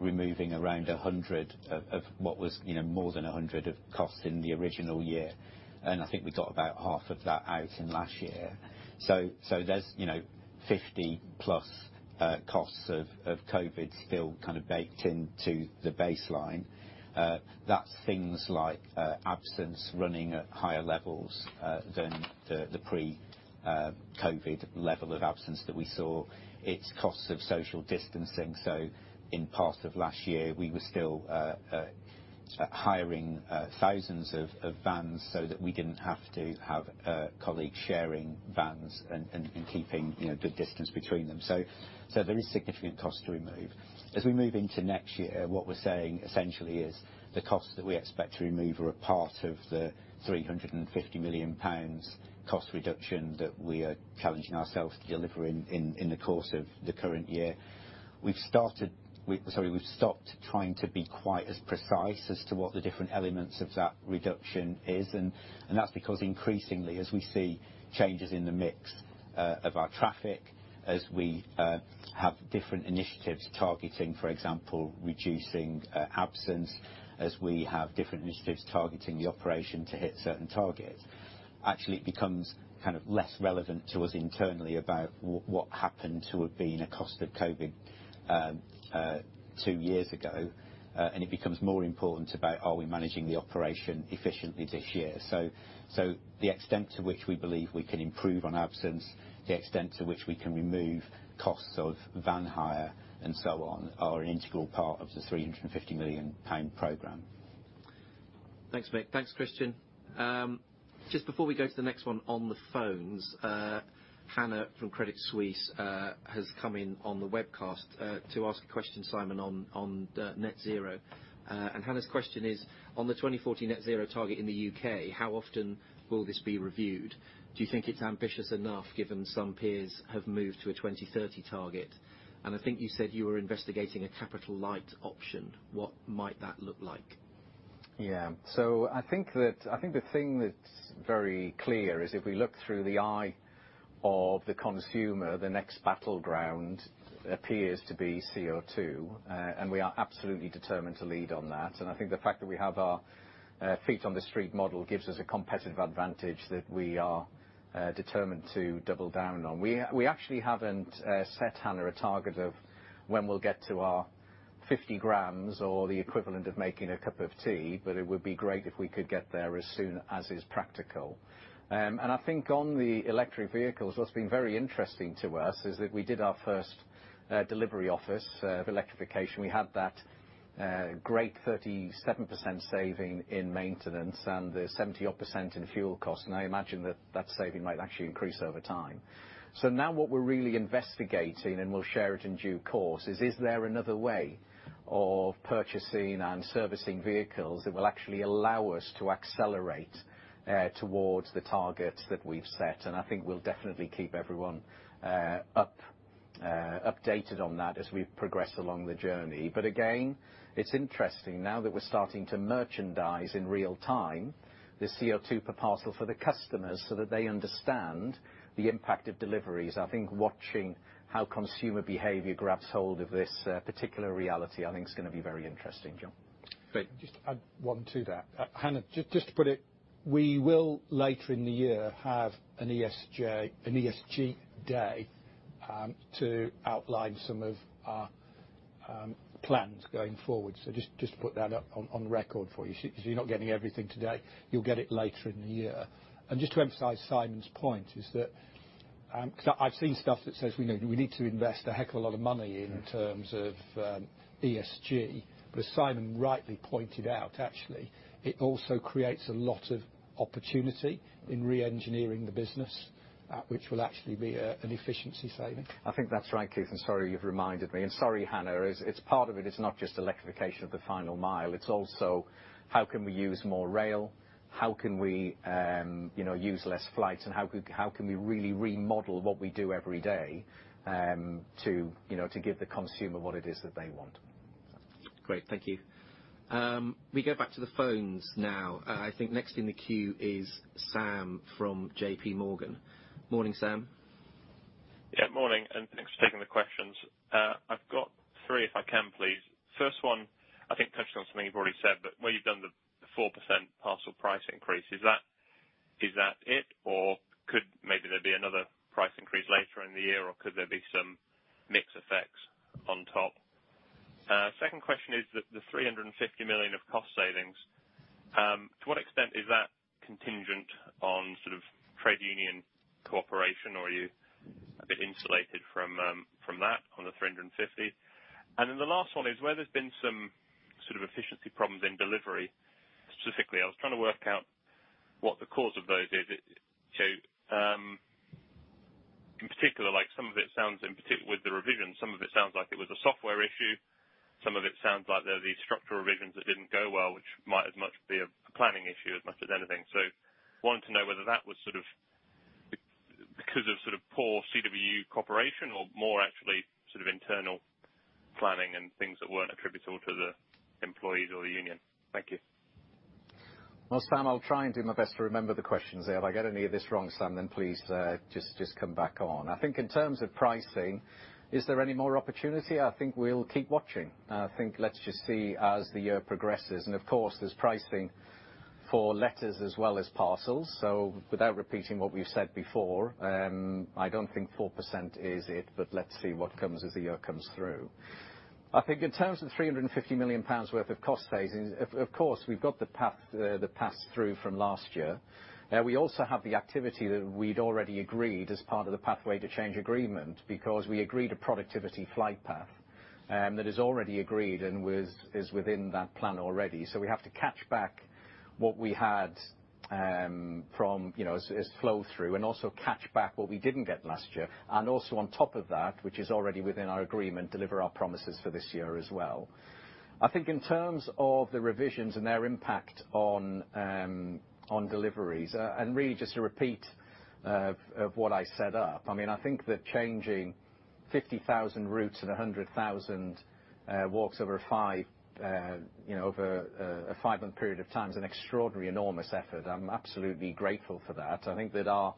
removing around 100 of what was more than 100 costs in the original year. I think we got about half of that out in last year. There's +50 costs of COVID still kind of baked into the baseline. That's things like absence running at higher levels than the pre-COVID level of absence that we saw. It's costs of social distancing. In part of last year, we were still hiring thousands of vans so that we didn't have to have colleagues sharing vans and keeping good distance between them. There is significant cost to remove. As we move into next year, what we're saying essentially is the costs that we expect to remove are a part of the 350 million pounds cost reduction that we are challenging ourselves to deliver in the course of the current year. We've stopped trying to be quite as precise as to what the different elements of that reduction is, and that's because increasingly, as we see changes in the mix of our traffic, as we have different initiatives targeting, for example, reducing absence, as we have different initiatives targeting the operation to hit certain targets. Actually, it becomes kind of less relevant to us internally about what happened to have been a cost of COVID, two years ago, and it becomes more important about are we managing the operation efficiently this year. The extent to which we believe we can improve on absence, the extent to which we can remove costs of van hire and so on are an integral part of the 350 million pound program. Thanks, Mick. Thanks, Christian. Just before we go to the next one on the phones, Hannah from Credit Suisse has come in on the webcast to ask a question, Simon, on net zero. Hannah's question is, on the 2040 net zero target in the U.K., how often will this be reviewed? Do you think it's ambitious enough given some peers have moved to a 2030 target? I think you said you were investigating a capital light option. What might that look like? I think the thing that's very clear is if we look through the eye of the consumer, the next battleground appears to be CO₂. We are absolutely determined to lead on that. I think the fact that we have our feet on the street model gives us a competitive advantage that we are determined to double down on. We actually haven't set Hannah a target of when we'll get to our 50g or the equivalent of making a cup of tea, but it would be great if we could get there as soon as is practical. I think on the electric vehicles, what's been very interesting to us is that we did our first delivery office of electrification. We had that, great 37% saving in maintenance and 70% in fuel costs, and I imagine that saving might actually increase over time. Now what we're really investigating, and we'll share it in due course, is there another way of purchasing and servicing vehicles that will actually allow us to accelerate towards the targets that we've set? I think we'll definitely keep everyone up updated on that as we progress along the journey. Again, it's interesting now that we're starting to merchandise in real time the CO₂ per parcel for the customers so that they understand the impact of deliveries. I think watching how consumer behavior grabs hold of this particular reality, I think is gonna be very interesting, John. Great. Just add one to that. Hannah, just to put it, we will later in the year have an ESG day to outline some of our plans going forward. Just to put that up on record for you. If you're not getting everything today, you'll get it later in the year. Just to emphasize Simon's point is that, 'cause I've seen stuff that says we need to invest a heck of a lot of money in terms of ESG. Simon rightly pointed out, actually, it also creates a lot of opportunity in reengineering the business, which will actually be an efficiency saving. I think that's right, Keith, and sorry, you've reminded me. Sorry, Hannah. It's part of it's not just electrification of the final mile, it's also how can we use more rail? How can we, you know, use less flights? How can we really remodel what we do every day, you know, to give the consumer what it is that they want? Great. Thank you. We go back to the phones now. I think next in the queue is Sam from JP Morgan. Morning, Sam. Yeah, morning and thanks for taking the questions. I've got three if I can please. First one, I think touching on something you've already said, but where you've done the 4% parcel price increase, is that it? Or could maybe there be another price increase later in the year, or could there be some mix effects on top? Second question is the 350 million of cost savings, to what extent is that contingent on sort of trade union cooperation? Or are you a bit insulated from that on the 350? And then the last one is where there's been some sort of efficiency problems in delivery. Specifically, I was trying to work out what the cause of those is. In particular, like some of it sounds in particular with the revisions, some of it sounds like it was a software issue. Some of it sounds like there were these structural revisions that didn't go well, which might as much be a planning issue as much as anything. Wanted to know whether that was sort of because of sort of poor CWU cooperation or more actually sort of internal planning and things that weren't attributable to the employees or the union. Thank you. Well, Sam, I'll try and do my best to remember the questions there. If I get any of this wrong, Sam, then please, just come back on. I think in terms of pricing, is there any more opportunity? I think we'll keep watching. I think let's just see as the year progresses. Of course, there's pricing for letters as well as parcels. Without repeating what we've said before, I don't think 4% is it, but let's see what comes as the year comes through. I think in terms of 350 million pounds worth of cost savings, of course, we've got the path through from last year. We also have the activity that we'd already agreed as part of the Pathway to Change agreement because we agreed a productivity flight path, that is already agreed and is within that plan already. We have to catch back what we had, you know, as flow through, and also catch back what we didn't get last year. Also on top of that, which is already within our agreement, deliver our promises for this year as well. I think in terms of the revisions and their impact on deliveries, and really just to repeat of what I set up, I mean, I think that changing 50,000 routes and 100,000 walks over a five month period of time is an extraordinary, enormous effort. I'm absolutely grateful for that. I think that our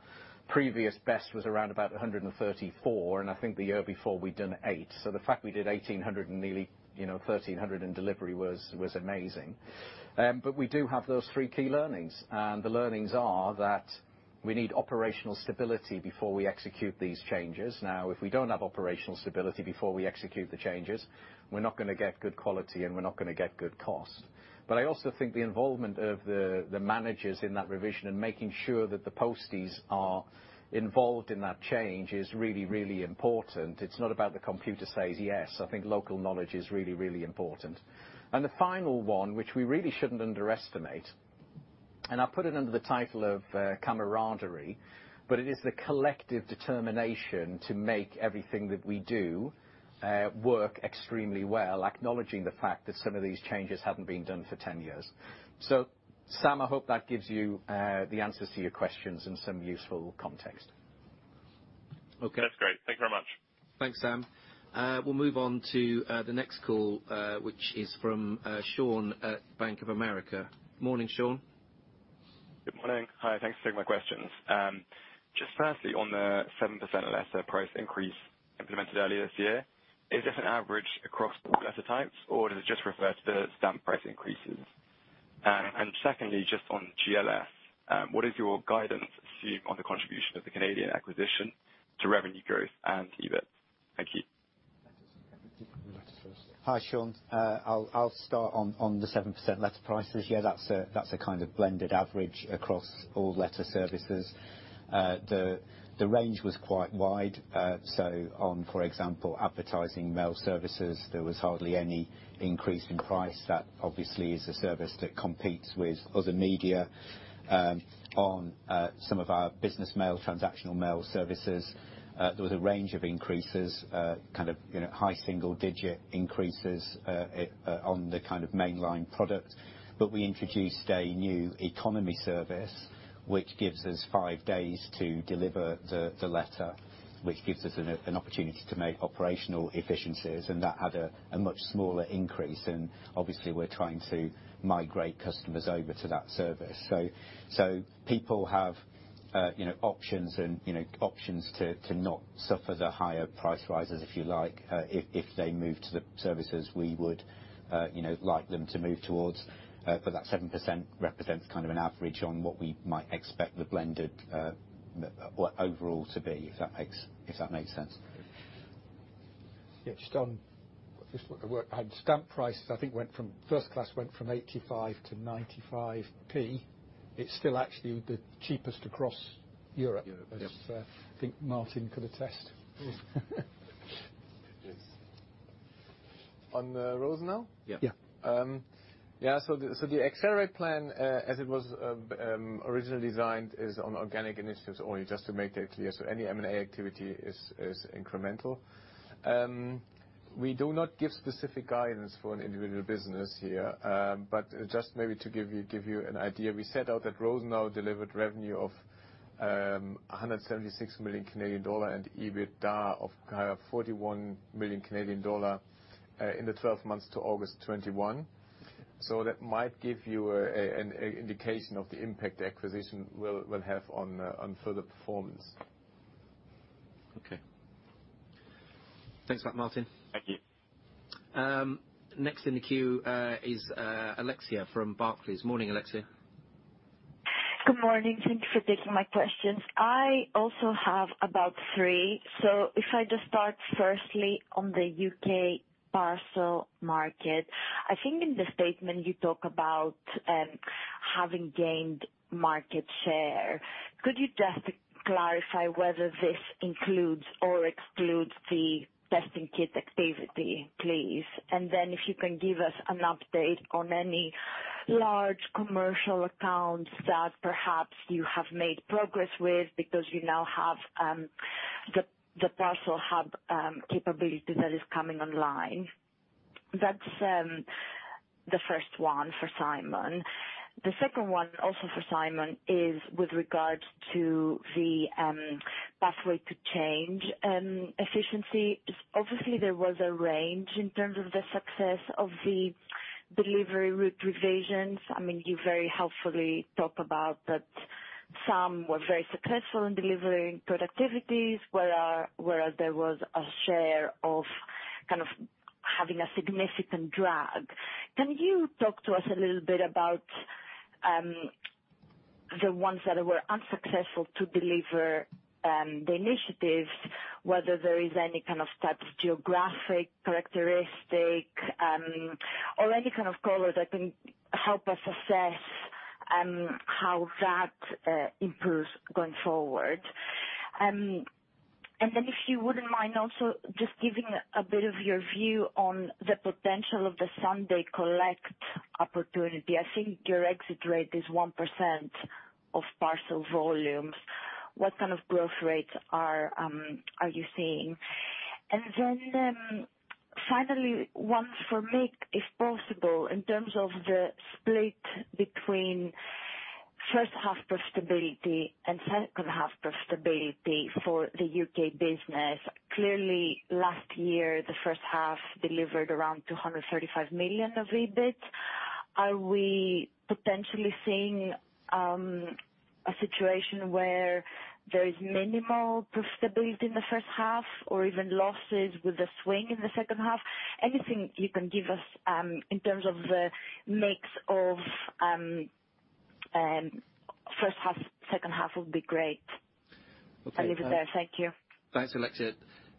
previous best was around about 134, and I think the year before we'd done eight. The fact we did 1,800 and nearly, you know, 1,300 in delivery was amazing. We do have those three key learnings, and the learnings are that we need operational stability before we execute these changes. If we don't have operational stability before we execute the changes, we're not gonna get good quality and we're not gonna get good cost. I also think the involvement of the managers in that revision and making sure that the posties are involved in that change is really, really important. It's not about the computer says yes. I think local knowledge is really, really important. The final one, which we really shouldn't underestimate, and I'll put it under the title of, camaraderie, but it is the collective determination to make everything that we do, work extremely well, acknowledging the fact that some of these changes haven't been done for 10 years. Sam, I hope that gives you the answers to your questions in some useful context. That's great. Thank you very much. Thanks, Sam. We'll move on to the next call, which is from Sean at Bank of America. Morning, Sean. Good morning. Hi, thanks for taking my questions. Just firstly, on the 7% letter price increase implemented earlier this year, is this an average across all letter types, or does it just refer to the stamp price increases? Secondly, just on GLS, what is your guidance on the contribution of the Canadian acquisition to revenue growth and EBIT? Thank you. Simon, do you want to start first? Hi, Sean. I'll start on the 7% letter prices. That's a kind of blended average across all letter services. The range was quite wide. For example, on advertising mail services, there was hardly any increase in price. That obviously is a service that competes with other media. On some of our business mail, transactional mail services, there was a range of increases, kind of, you know, high single digit increases on the kind of mainline products. We introduced a new economy service, which gives us five days to deliver the letter, which gives us an opportunity to make operational efficiencies, and that had a much smaller increase. Obviously, we're trying to migrate customers over to that service. People have options to not suffer the higher price rises, if you like, if they move to the services we would like them to move towards. That 7% represents kind of an average on what we might expect the blended or overall to be, if that makes sense. Just on the work. Stamp prices, I think, first class went from 85p - 95p. It's still actually the cheapest across Europe. Europe, yep. I think Martin can attest. Yes. On the Rosenau? Yeah. Yeah. The Accelerate plan, as it was originally designed, is on organic initiatives only, just to make that clear. Any M&A activity is incremental. We do not give specific guidance for an individual business here. Just maybe to give you an idea, we set out that Rosenau delivered revenue of 176 million Canadian dollar and EBITDA of 41 million Canadian dollar in the 12 months to August 2021. That might give you an indication of the impact the acquisition will have on further performance. Okay. Thanks a lot, Martin. Thank you. Next in the queue is Alexia from Barclays. Morning, Alexia. Good morning. Thank you for taking my questions. I also have about three. If I just start firstly on the UK parcel market. I think in the statement you talk about having gained market share. Could you just clarify whether this includes or excludes the testing kit activity, please? Then if you can give us an update on any large commercial accounts that perhaps you have made progress with because you now have the parcel hub capability that is coming online. That's the first one for Simon. The second one, also for Simon, is with regards to the Pathway to Change efficiency. Obviously, there was a range in terms of the success of the delivery route revisions. I mean, you very helpfully talk about that some were very successful in delivering productivities, whereas there was a share of kind of having a significant drag. Can you talk to us a little bit about the ones that were unsuccessful to deliver the initiatives, whether there is any kind of type of geographic characteristic or any kind of color that can help us assess how that improves going forward? If you wouldn't mind also just giving a bit of your view on the potential of the Sunday collect opportunity. I think your exit rate is 1% of parcel volumes. What kind of growth rates are you seeing? Finally, one for Mick, if possible, in terms of the split between first half profitability and second half profitability for the U.K. business. Clearly, last year, the first half delivered around 235 million of EBIT. Are we potentially seeing a situation where there is minimal profitability in the first half or even losses with a swing in the second half? Anything you can give us in terms of the mix of first half, second half would be great. Okay. I'll leave it there. Thank you. Thanks, Alexia.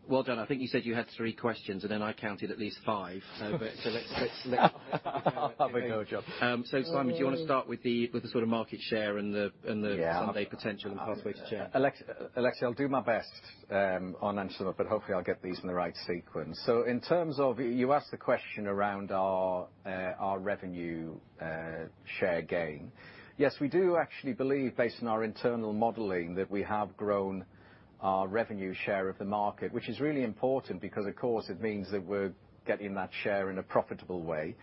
Well done. I think you said you had three questions, and then I counted at least five. Let's Have a go, John. Simon, do you wanna start with the sort of market share and the Yeah. The Sunday potential and Pathway to Change? Alexia, I'll do my best on answering them, but hopefully I'll get these in the right sequence. In terms of, you asked the question around our revenue share gain. Yes, we do actually believe, based on our internal modeling, that we have grown our revenue share of the market, which is really important because, of course, it means that we're getting that share in a profitable way.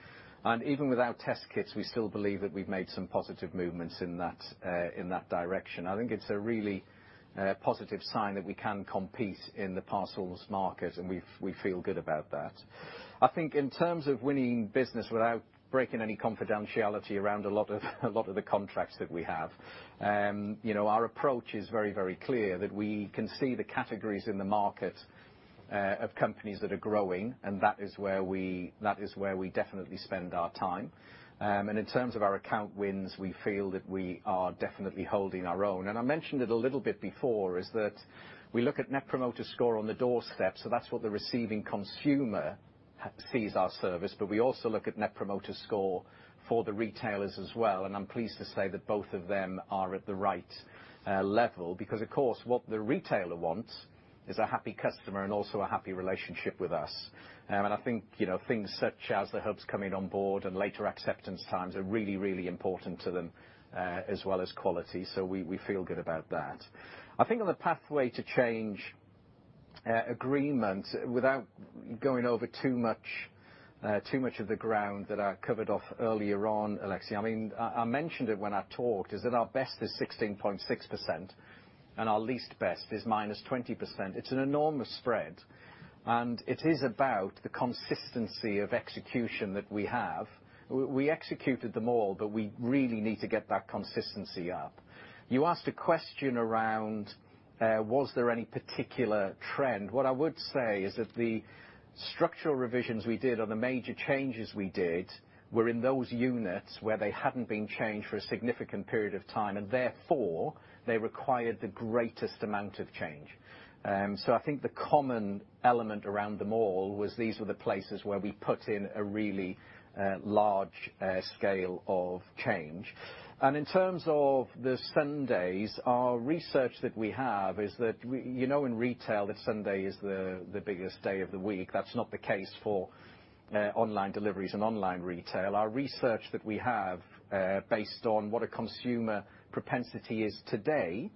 Even without test kits, we still believe that we've made some positive movements in that direction. I think it's a really positive sign that we can compete in the parcels market, and we feel good about that. I think in terms of winning business without breaking any confidentiality around a lot of the contracts that we have, you know, our approach is very clear that we can see the categories in the market of companies that are growing, and that is where we definitely spend our time. In terms of our account wins, we feel that we are definitely holding our own. I mentioned it a little bit before, is that we look at Net Promoter Score on the doorstep, so that's what the receiving consumer sees our service, but we also look at Net Promoter Score for the retailers as well, and I'm pleased to say that both of them are at the right level. Because of course, what the retailer wants is a happy customer and also a happy relationship with us. I think, you know, things such as the hubs coming on board and later acceptance times are really important to them, as well as quality, so we feel good about that. I think on the Pathway to Change agreement, without going over too much of the ground that I covered off earlier on, Alexia, I mean, I mentioned it when I talked, is that our best is 16.6% and our least best is -20%. It's an enormous spread. It is about the consistency of execution that we have. We executed them all, but we really need to get that consistency up. You asked a question around, was there any particular trend. What I would say is that the structural revisions we did, or the major changes we did, were in those units where they hadn't been changed for a significant period of time and therefore they required the greatest amount of change. I think the common element around them all was these were the places where we put in a really large scale of change. In terms of the Sundays, our research that we have is that in retail that Sunday is the biggest day of the week. That's not the case for online deliveries and online retail. Our research that we have, based on what a consumer propensity is today,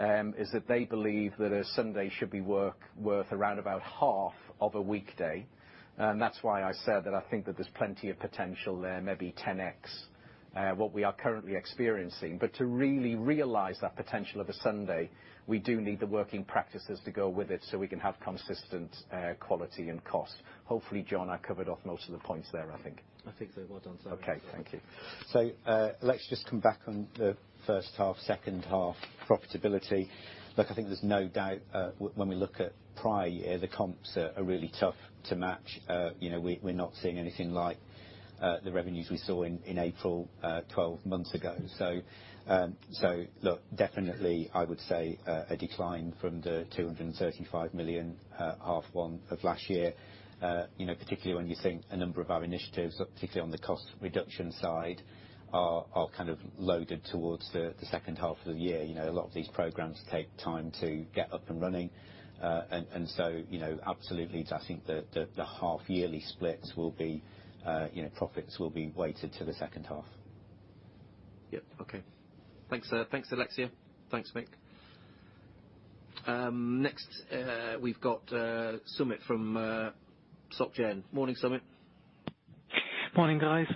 is that they believe that a Sunday should be worth around about half of a weekday. That's why I said that I think that there's plenty of potential there, maybe 10x what we are currently experiencing. To really realize that potential of a Sunday, we do need the working practices to go with it so we can have consistent quality and cost. Hopefully, John, I covered off most of the points there, I think. I think so. Well done, Simon. Okay. Thank you. Let's just come back on the first half, second half profitability. Look, I think there's no doubt, when we look at prior year, the comps are really tough to match. You know, we're not seeing anything like the revenues we saw in April, 12 months ago. Look, definitely I would say a decline from 235 million, half one of last year. You know, particularly when you're seeing a number of our initiatives, particularly on the cost reduction side are kind of loaded towards the second half of the year. You know, a lot of these programs take time to get up and running. You know, absolutely I think the half-yearly splits will be, you know, profits will be weighted to the second half. Yep. Okay. Thanks, Alexia. Thanks, Mick. Next, we've got Sumit from SocGen. Morning, Sumit. Morning, guys.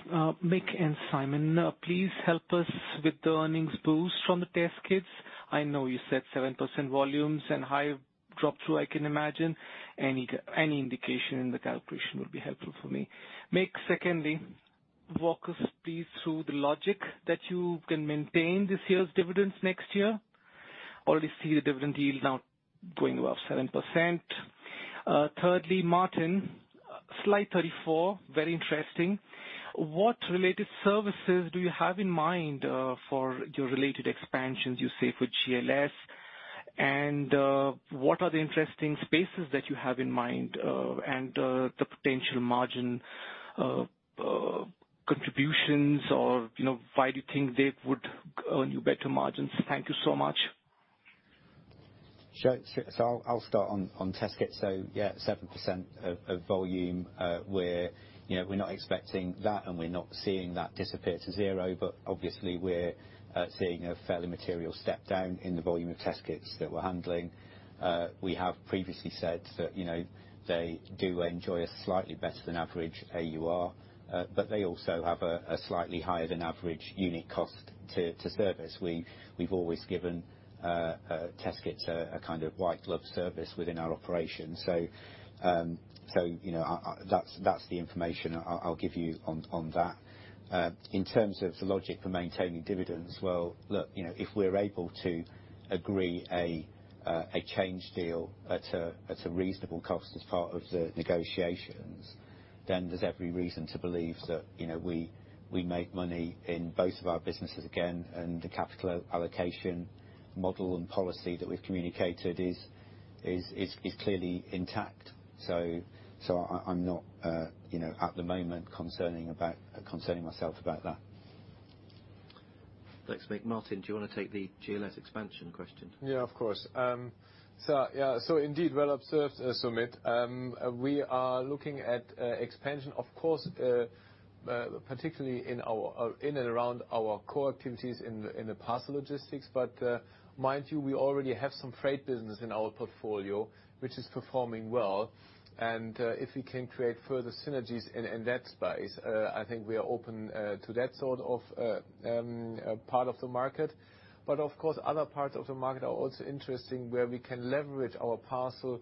Mick and Simon, please help us with the earnings boost from the test kits. I know you said 7% volumes and high drop through I can imagine. Any indication in the calculation would be helpful for me. Mick, secondly, walk us please through the logic that you can maintain this year's dividends next year. Already see the dividend yield now going above 7%. Thirdly, Martin, slide 34, very interesting. What related services do you have in mind for your related expansions, you say for GLS? And what are the interesting spaces that you have in mind and the potential margin contributions or, you know, why do you think they would earn you better margins? Thank you so much. Sure. I'll start on test kits. Yeah, 7% of volume. We're, you know, not expecting that, and we're not seeing that disappear to zero. Obviously, we're seeing a fairly material step down in the volume of test kits that we're handling. We have previously said that, you know, they do enjoy a slightly better than average AUR, but they also have a slightly higher than average unit cost to service. We've always given test kits a kind of white glove service within our operation. You know, that's the information I'll give you on that. In terms of the logic for maintaining dividends, well, look, you know, if we're able to agree a change deal at a reasonable cost as part of the negotiations, then there's every reason to believe that, you know, we make money in both of our businesses again, and the capital allocation model and policy that we've communicated is clearly intact. I'm not, you know, at the moment concerning myself about that. Thanks, Mick. Martin, do you wanna take the GLS expansion question? Yeah, of course. Yeah. Indeed, well observed, Sumit. We are looking at expansion, of course, particularly in and around our core activities in the parcel logistics. Mind you, we already have some freight business in our portfolio which is performing well. If we can create further synergies in that space, I think we are open to that sort of part of the market. Of course, other parts of the market are also interesting, where we can leverage our parcel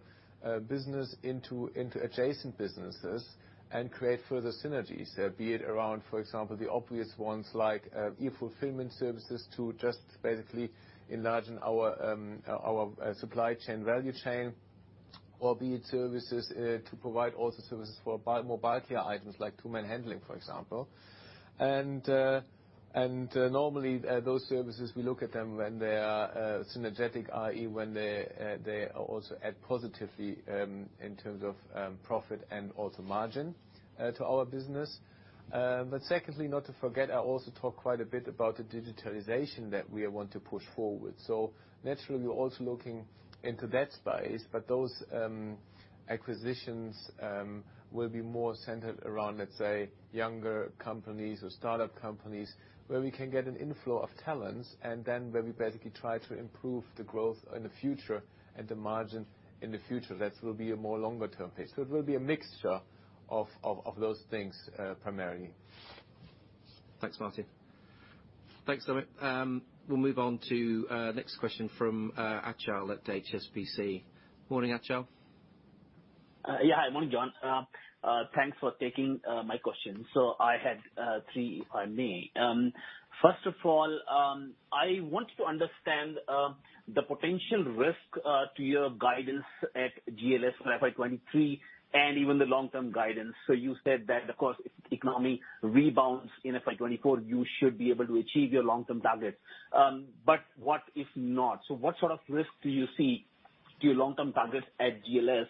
business into adjacent businesses and create further synergies there. Be it around, for example, the obvious ones like e-fulfillment services to just basically enlarge our supply chain value chain. Be it services to provide also services for by mobile care items like two-man handling, for example. Normally those services we look at them when they are synergetic, i.e., when they also add positively in terms of profit and also margin to our business. Secondly, not to forget, I also talk quite a bit about the digitalization that we want to push forward. Naturally, we're also looking into that space, but those acquisitions will be more centered around, let's say, younger companies or startup companies where we can get an inflow of talents and then where we basically try to improve the growth in the future and the margin in the future. That will be a more longer term pace. It will be a mixture of those things, primarily. Thanks, Martin. Thanks, Sumit. We'll move on to next question from Achal at HSBC. Morning, Achal. Yeah. Morning, John. Thanks for taking my question. I had three if I may. First of all, I want to understand the potential risk to your guidance at GLS for FY 2023 and even the long-term guidance. You said that, of course, if the economy rebounds in FY 2024, you should be able to achieve your long-term targets. But what if not? What sort of risks do you see to your long-term targets at GLS?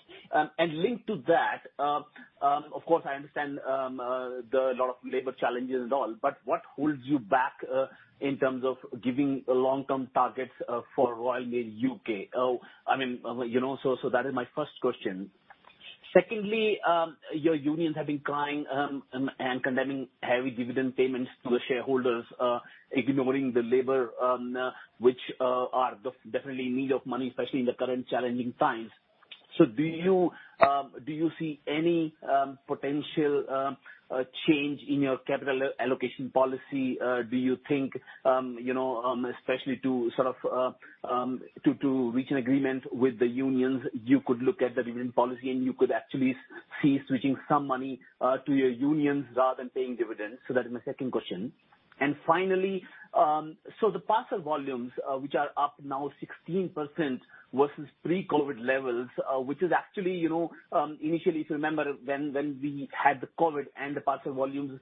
And linked to that, of course I understand the lot of labor challenges and all, but what holds you back in terms of giving long-term targets for Royal Mail UK? I mean, you know, that is my first question. Secondly, your unions have been crying and condemning heavy dividend payments to the shareholders, ignoring the labor, which are definitely in need of money, especially in the current challenging times. Do you see any potential change in your capital allocation policy? Do you think, you know, especially to sort of reach an agreement with the unions, you could look at the dividend policy and you could actually see switching some money to your unions rather than paying dividends? That is my second question. Finally, so the parcel volumes, which are up now 16% versus pre-COVID levels, which is actually, you know, initially to remember when we had the COVID and the parcel volumes,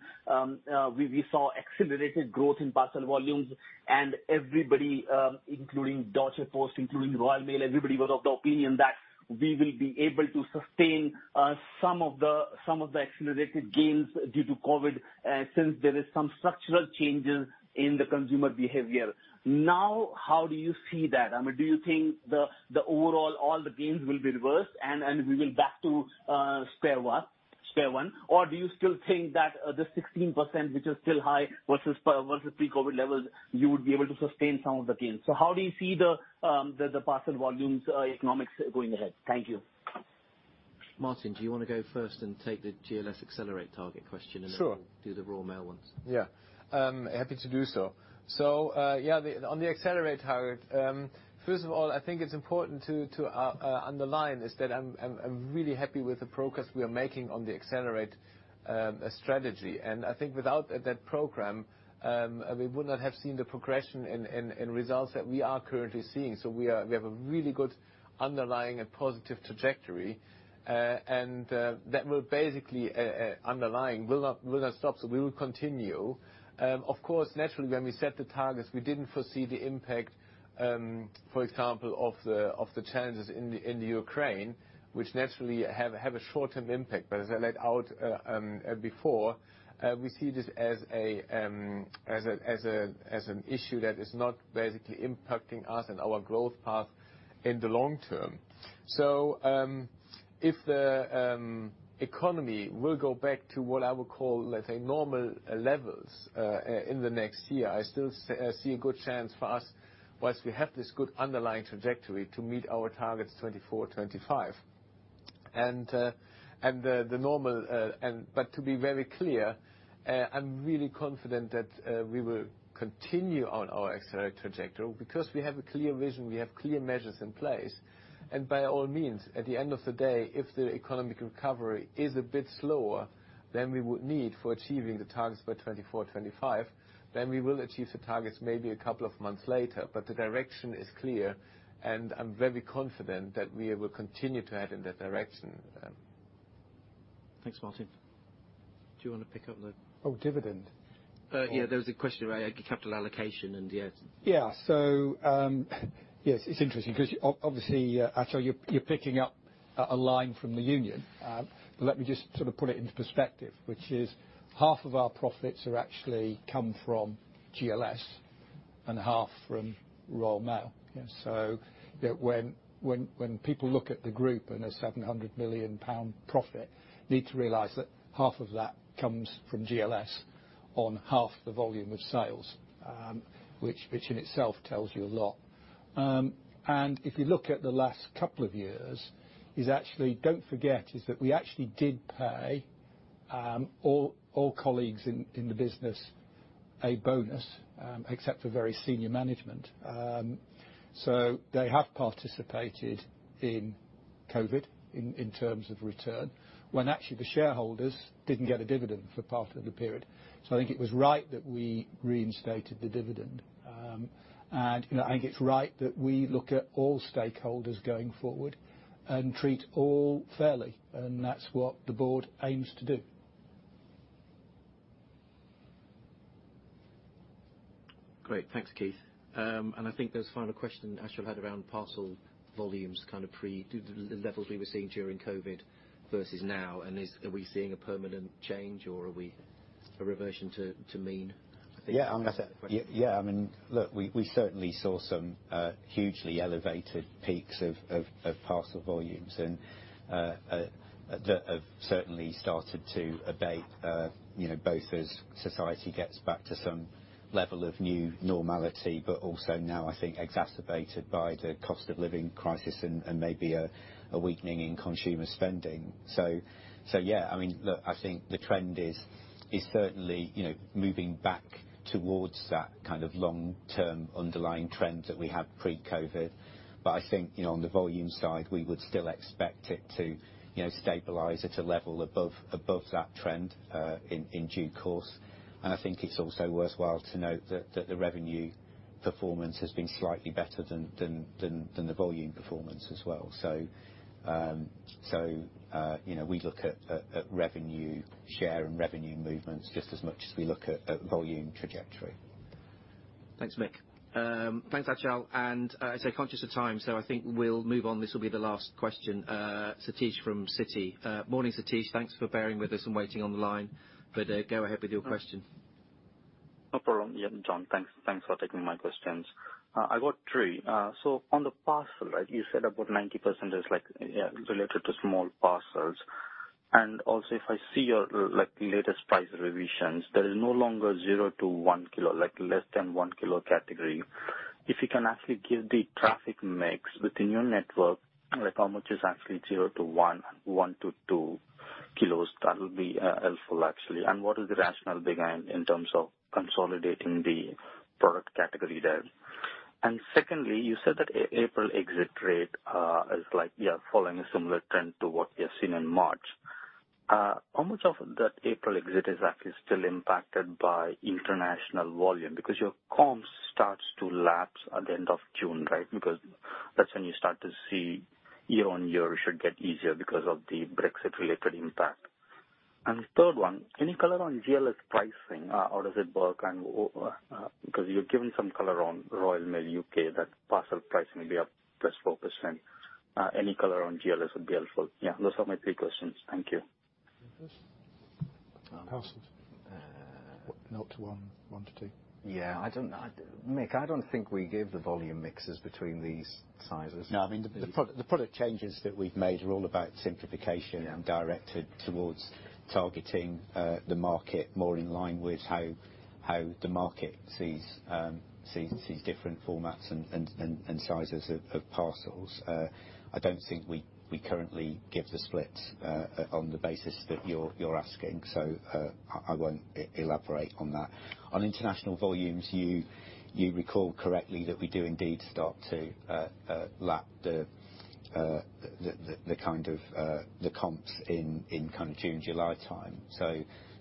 we saw accelerated growth in parcel volumes and everybody, including Deutsche Post, including Royal Mail, everybody was of the opinion that we will be able to sustain some of the accelerated gains due to COVID, since there is some structural changes in the consumer behavior. Now, how do you see that? I mean, do you think the overall gains will be reversed and we will back to square one? Or do you still think that the 16%, which is still high versus pre-COVID levels, you would be able to sustain some of the gains? How do you see the parcel volumes economics going ahead? Thank you. Martin, do you wanna go first and take the GLS Accelerate target question? Sure. We'll do the Royal Mail ones. Yeah. Happy to do so. Yeah. The on the Accelerate target, first of all, I think it's important to underline is that I'm really happy with the progress we are making on the Accelerate strategy. I think without that program, we would not have seen the progression and results that we are currently seeing. We have a really good underlying and positive trajectory. That will basically underlying will not stop, we will continue. Of course, naturally when we set the targets, we didn't foresee the impact, for example, of the challenges in the Ukraine, which naturally have a short-term impact. As I laid out before, we see this as an issue that is not basically impacting us and our growth path in the long term. If the economy will go back to what I would call, let's say, normal levels in the next year, I still see a good chance for us, whilst we have this good underlying trajectory, to meet our targets 2024, 2025. To be very clear, I'm really confident that we will continue on our Accelerate trajectory because we have a clear vision, we have clear measures in place. By all means, at the end of the day, if the economic recovery is a bit slower than we would need for achieving the targets for 2024/2025, then we will achieve the targets maybe a couple of months later. The direction is clear, and I'm very confident that we will continue to head in that direction. Thanks, Martin. Do you wanna pick up the? Oh, dividend. Yeah, there was a question around capital allocation and yeah. Yes, it's interesting because obviously, Achal, you're picking up a line from the union. But let me just sort of put it into perspective, which is half of our profits actually come from GLS and half from Royal Mail. Yeah. When people look at the group and a 700 million pound profit, need to realize that half of that comes from GLS on half the volume of sales, which in itself tells you a lot. If you look at the last couple of years actually, don't forget, is that we actually did pay all colleagues in the business a bonus, except for very senior management. They have participated in COVID in terms of return, when actually the shareholders didn't get a dividend for part of the period. I think it was right that we reinstated the dividend. You know, I think it's right that we look at all stakeholders going forward and treat all fairly, and that's what the board aims to do. Great. Thanks, Keith. I think there's final question Achal had around parcel volumes, kind of pre the levels we were seeing during COVID versus now. Are we seeing a permanent change or are we a reversion to mean? Yeah. I think that's the question. Yeah, I mean, look, we certainly saw some hugely elevated peaks of parcel volumes and that have certainly started to abate, you know, both as society gets back to some level of new normality, but also now I think exacerbated by the cost of living crisis and maybe a weakening in consumer spending. Yeah, I mean, look, I think the trend is certainly, you know, moving back towards that kind of long-term underlying trend that we had pre-COVID. But I think, you know, on the volume side, we would still expect it to, you know, stabilize at a level above that trend in due course. I think it's also worthwhile to note that the revenue performance has been slightly better than the volume performance as well. You know, we look at revenue share and revenue movements just as much as we look at volume trajectory. Thanks, Mick. Thanks, Achal. As I say, conscious of time, so I think we'll move on. This will be the last question. Satish from Citi. Morning, Satish, thanks for bearing with us and waiting on the line. Go ahead with your question. No problem. Yeah, John, thanks. Thanks for taking my questions. I got three. On the parcel, right? You said about 90% is like, yeah, related to small parcels. Also if I see your like latest price revisions, there is no longer 0-1 kilo, like less than one kilo category. If you can actually give the traffic mix within your network, like how much is actually 0-1, 1-2 kilos, that would be, helpful actually. What is the rationale behind in terms of consolidating the product category there? Secondly, you said that April exit rate, is like, yeah, following a similar trend to what we have seen in March. How much of that April exit is actually still impacted by international volume? Because your comps starts to lapse at the end of June, right? Because that's when you start to see YoY it should get easier because of the Brexit related impact. Third one, any color on GLS pricing? How does it work? Because you've given some color on Royal Mail UK, that parcel pricing will be up +4%. Any color on GLS would be helpful. Yeah. Those are my three questions. Thank you. Parcels. Nought to one, one to two. Yeah, Mick, I don't think we give the volume mixes between these sizes. No, I mean, the product changes that we've made are all about simplification. Yeah. Directed towards targeting the market more in line with how the market sees different formats and sizes of parcels. I don't think we currently give the splits on the basis that you're asking, so I won't elaborate on that. On international volumes, you recall correctly that we do indeed start to lap the comps in kind of June, July time.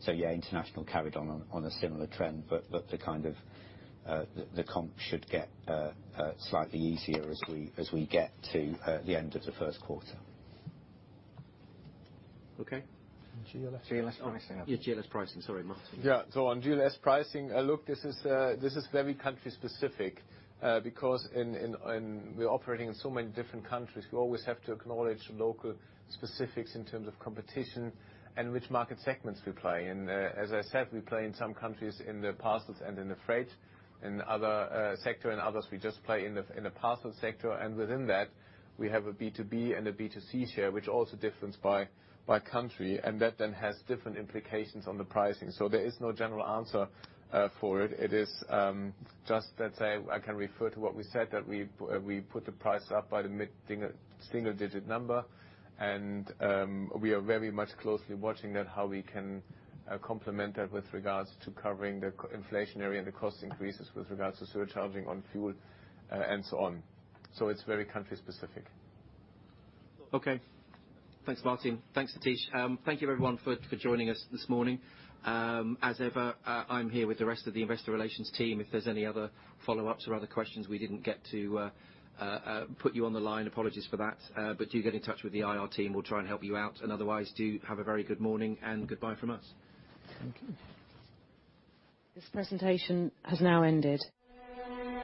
Yeah, international carried on a similar trend, but the comp should get slightly easier as we get to the end of the first quarter. Okay. GLS pricing. GLS pricing. Yeah, GLS pricing. Sorry, Martin. On GLS pricing, look, this is very country specific, because we're operating in so many different countries, we always have to acknowledge local specifics in terms of competition and which market segments we play in. As I said, we play in some countries in the parcels and in the freight. In other sector, in others, we just play in the parcel sector. Within that we have a B2B and a B2C tier, which also differ by country, and that then has different implications on the pricing. There is no general answer for it. It is just that I can refer to what we said, that we put the price up by the mid single digit number. We are very much closely watching that, how we can complement that with regards to covering the inflationary and the cost increases with regards to surcharging on fuel, and so on. It's very country specific. Okay. Thanks, Martin. Thanks, Satish. Thank you everyone for joining us this morning. As ever, I'm here with the rest of the investor relations team, if there's any other follow-ups or other questions we didn't get to put you on the line, apologies for that. But do get in touch with the IR team, we'll try and help you out. Otherwise, do have a very good morning and goodbye from us. Thank you. This presentation has now ended.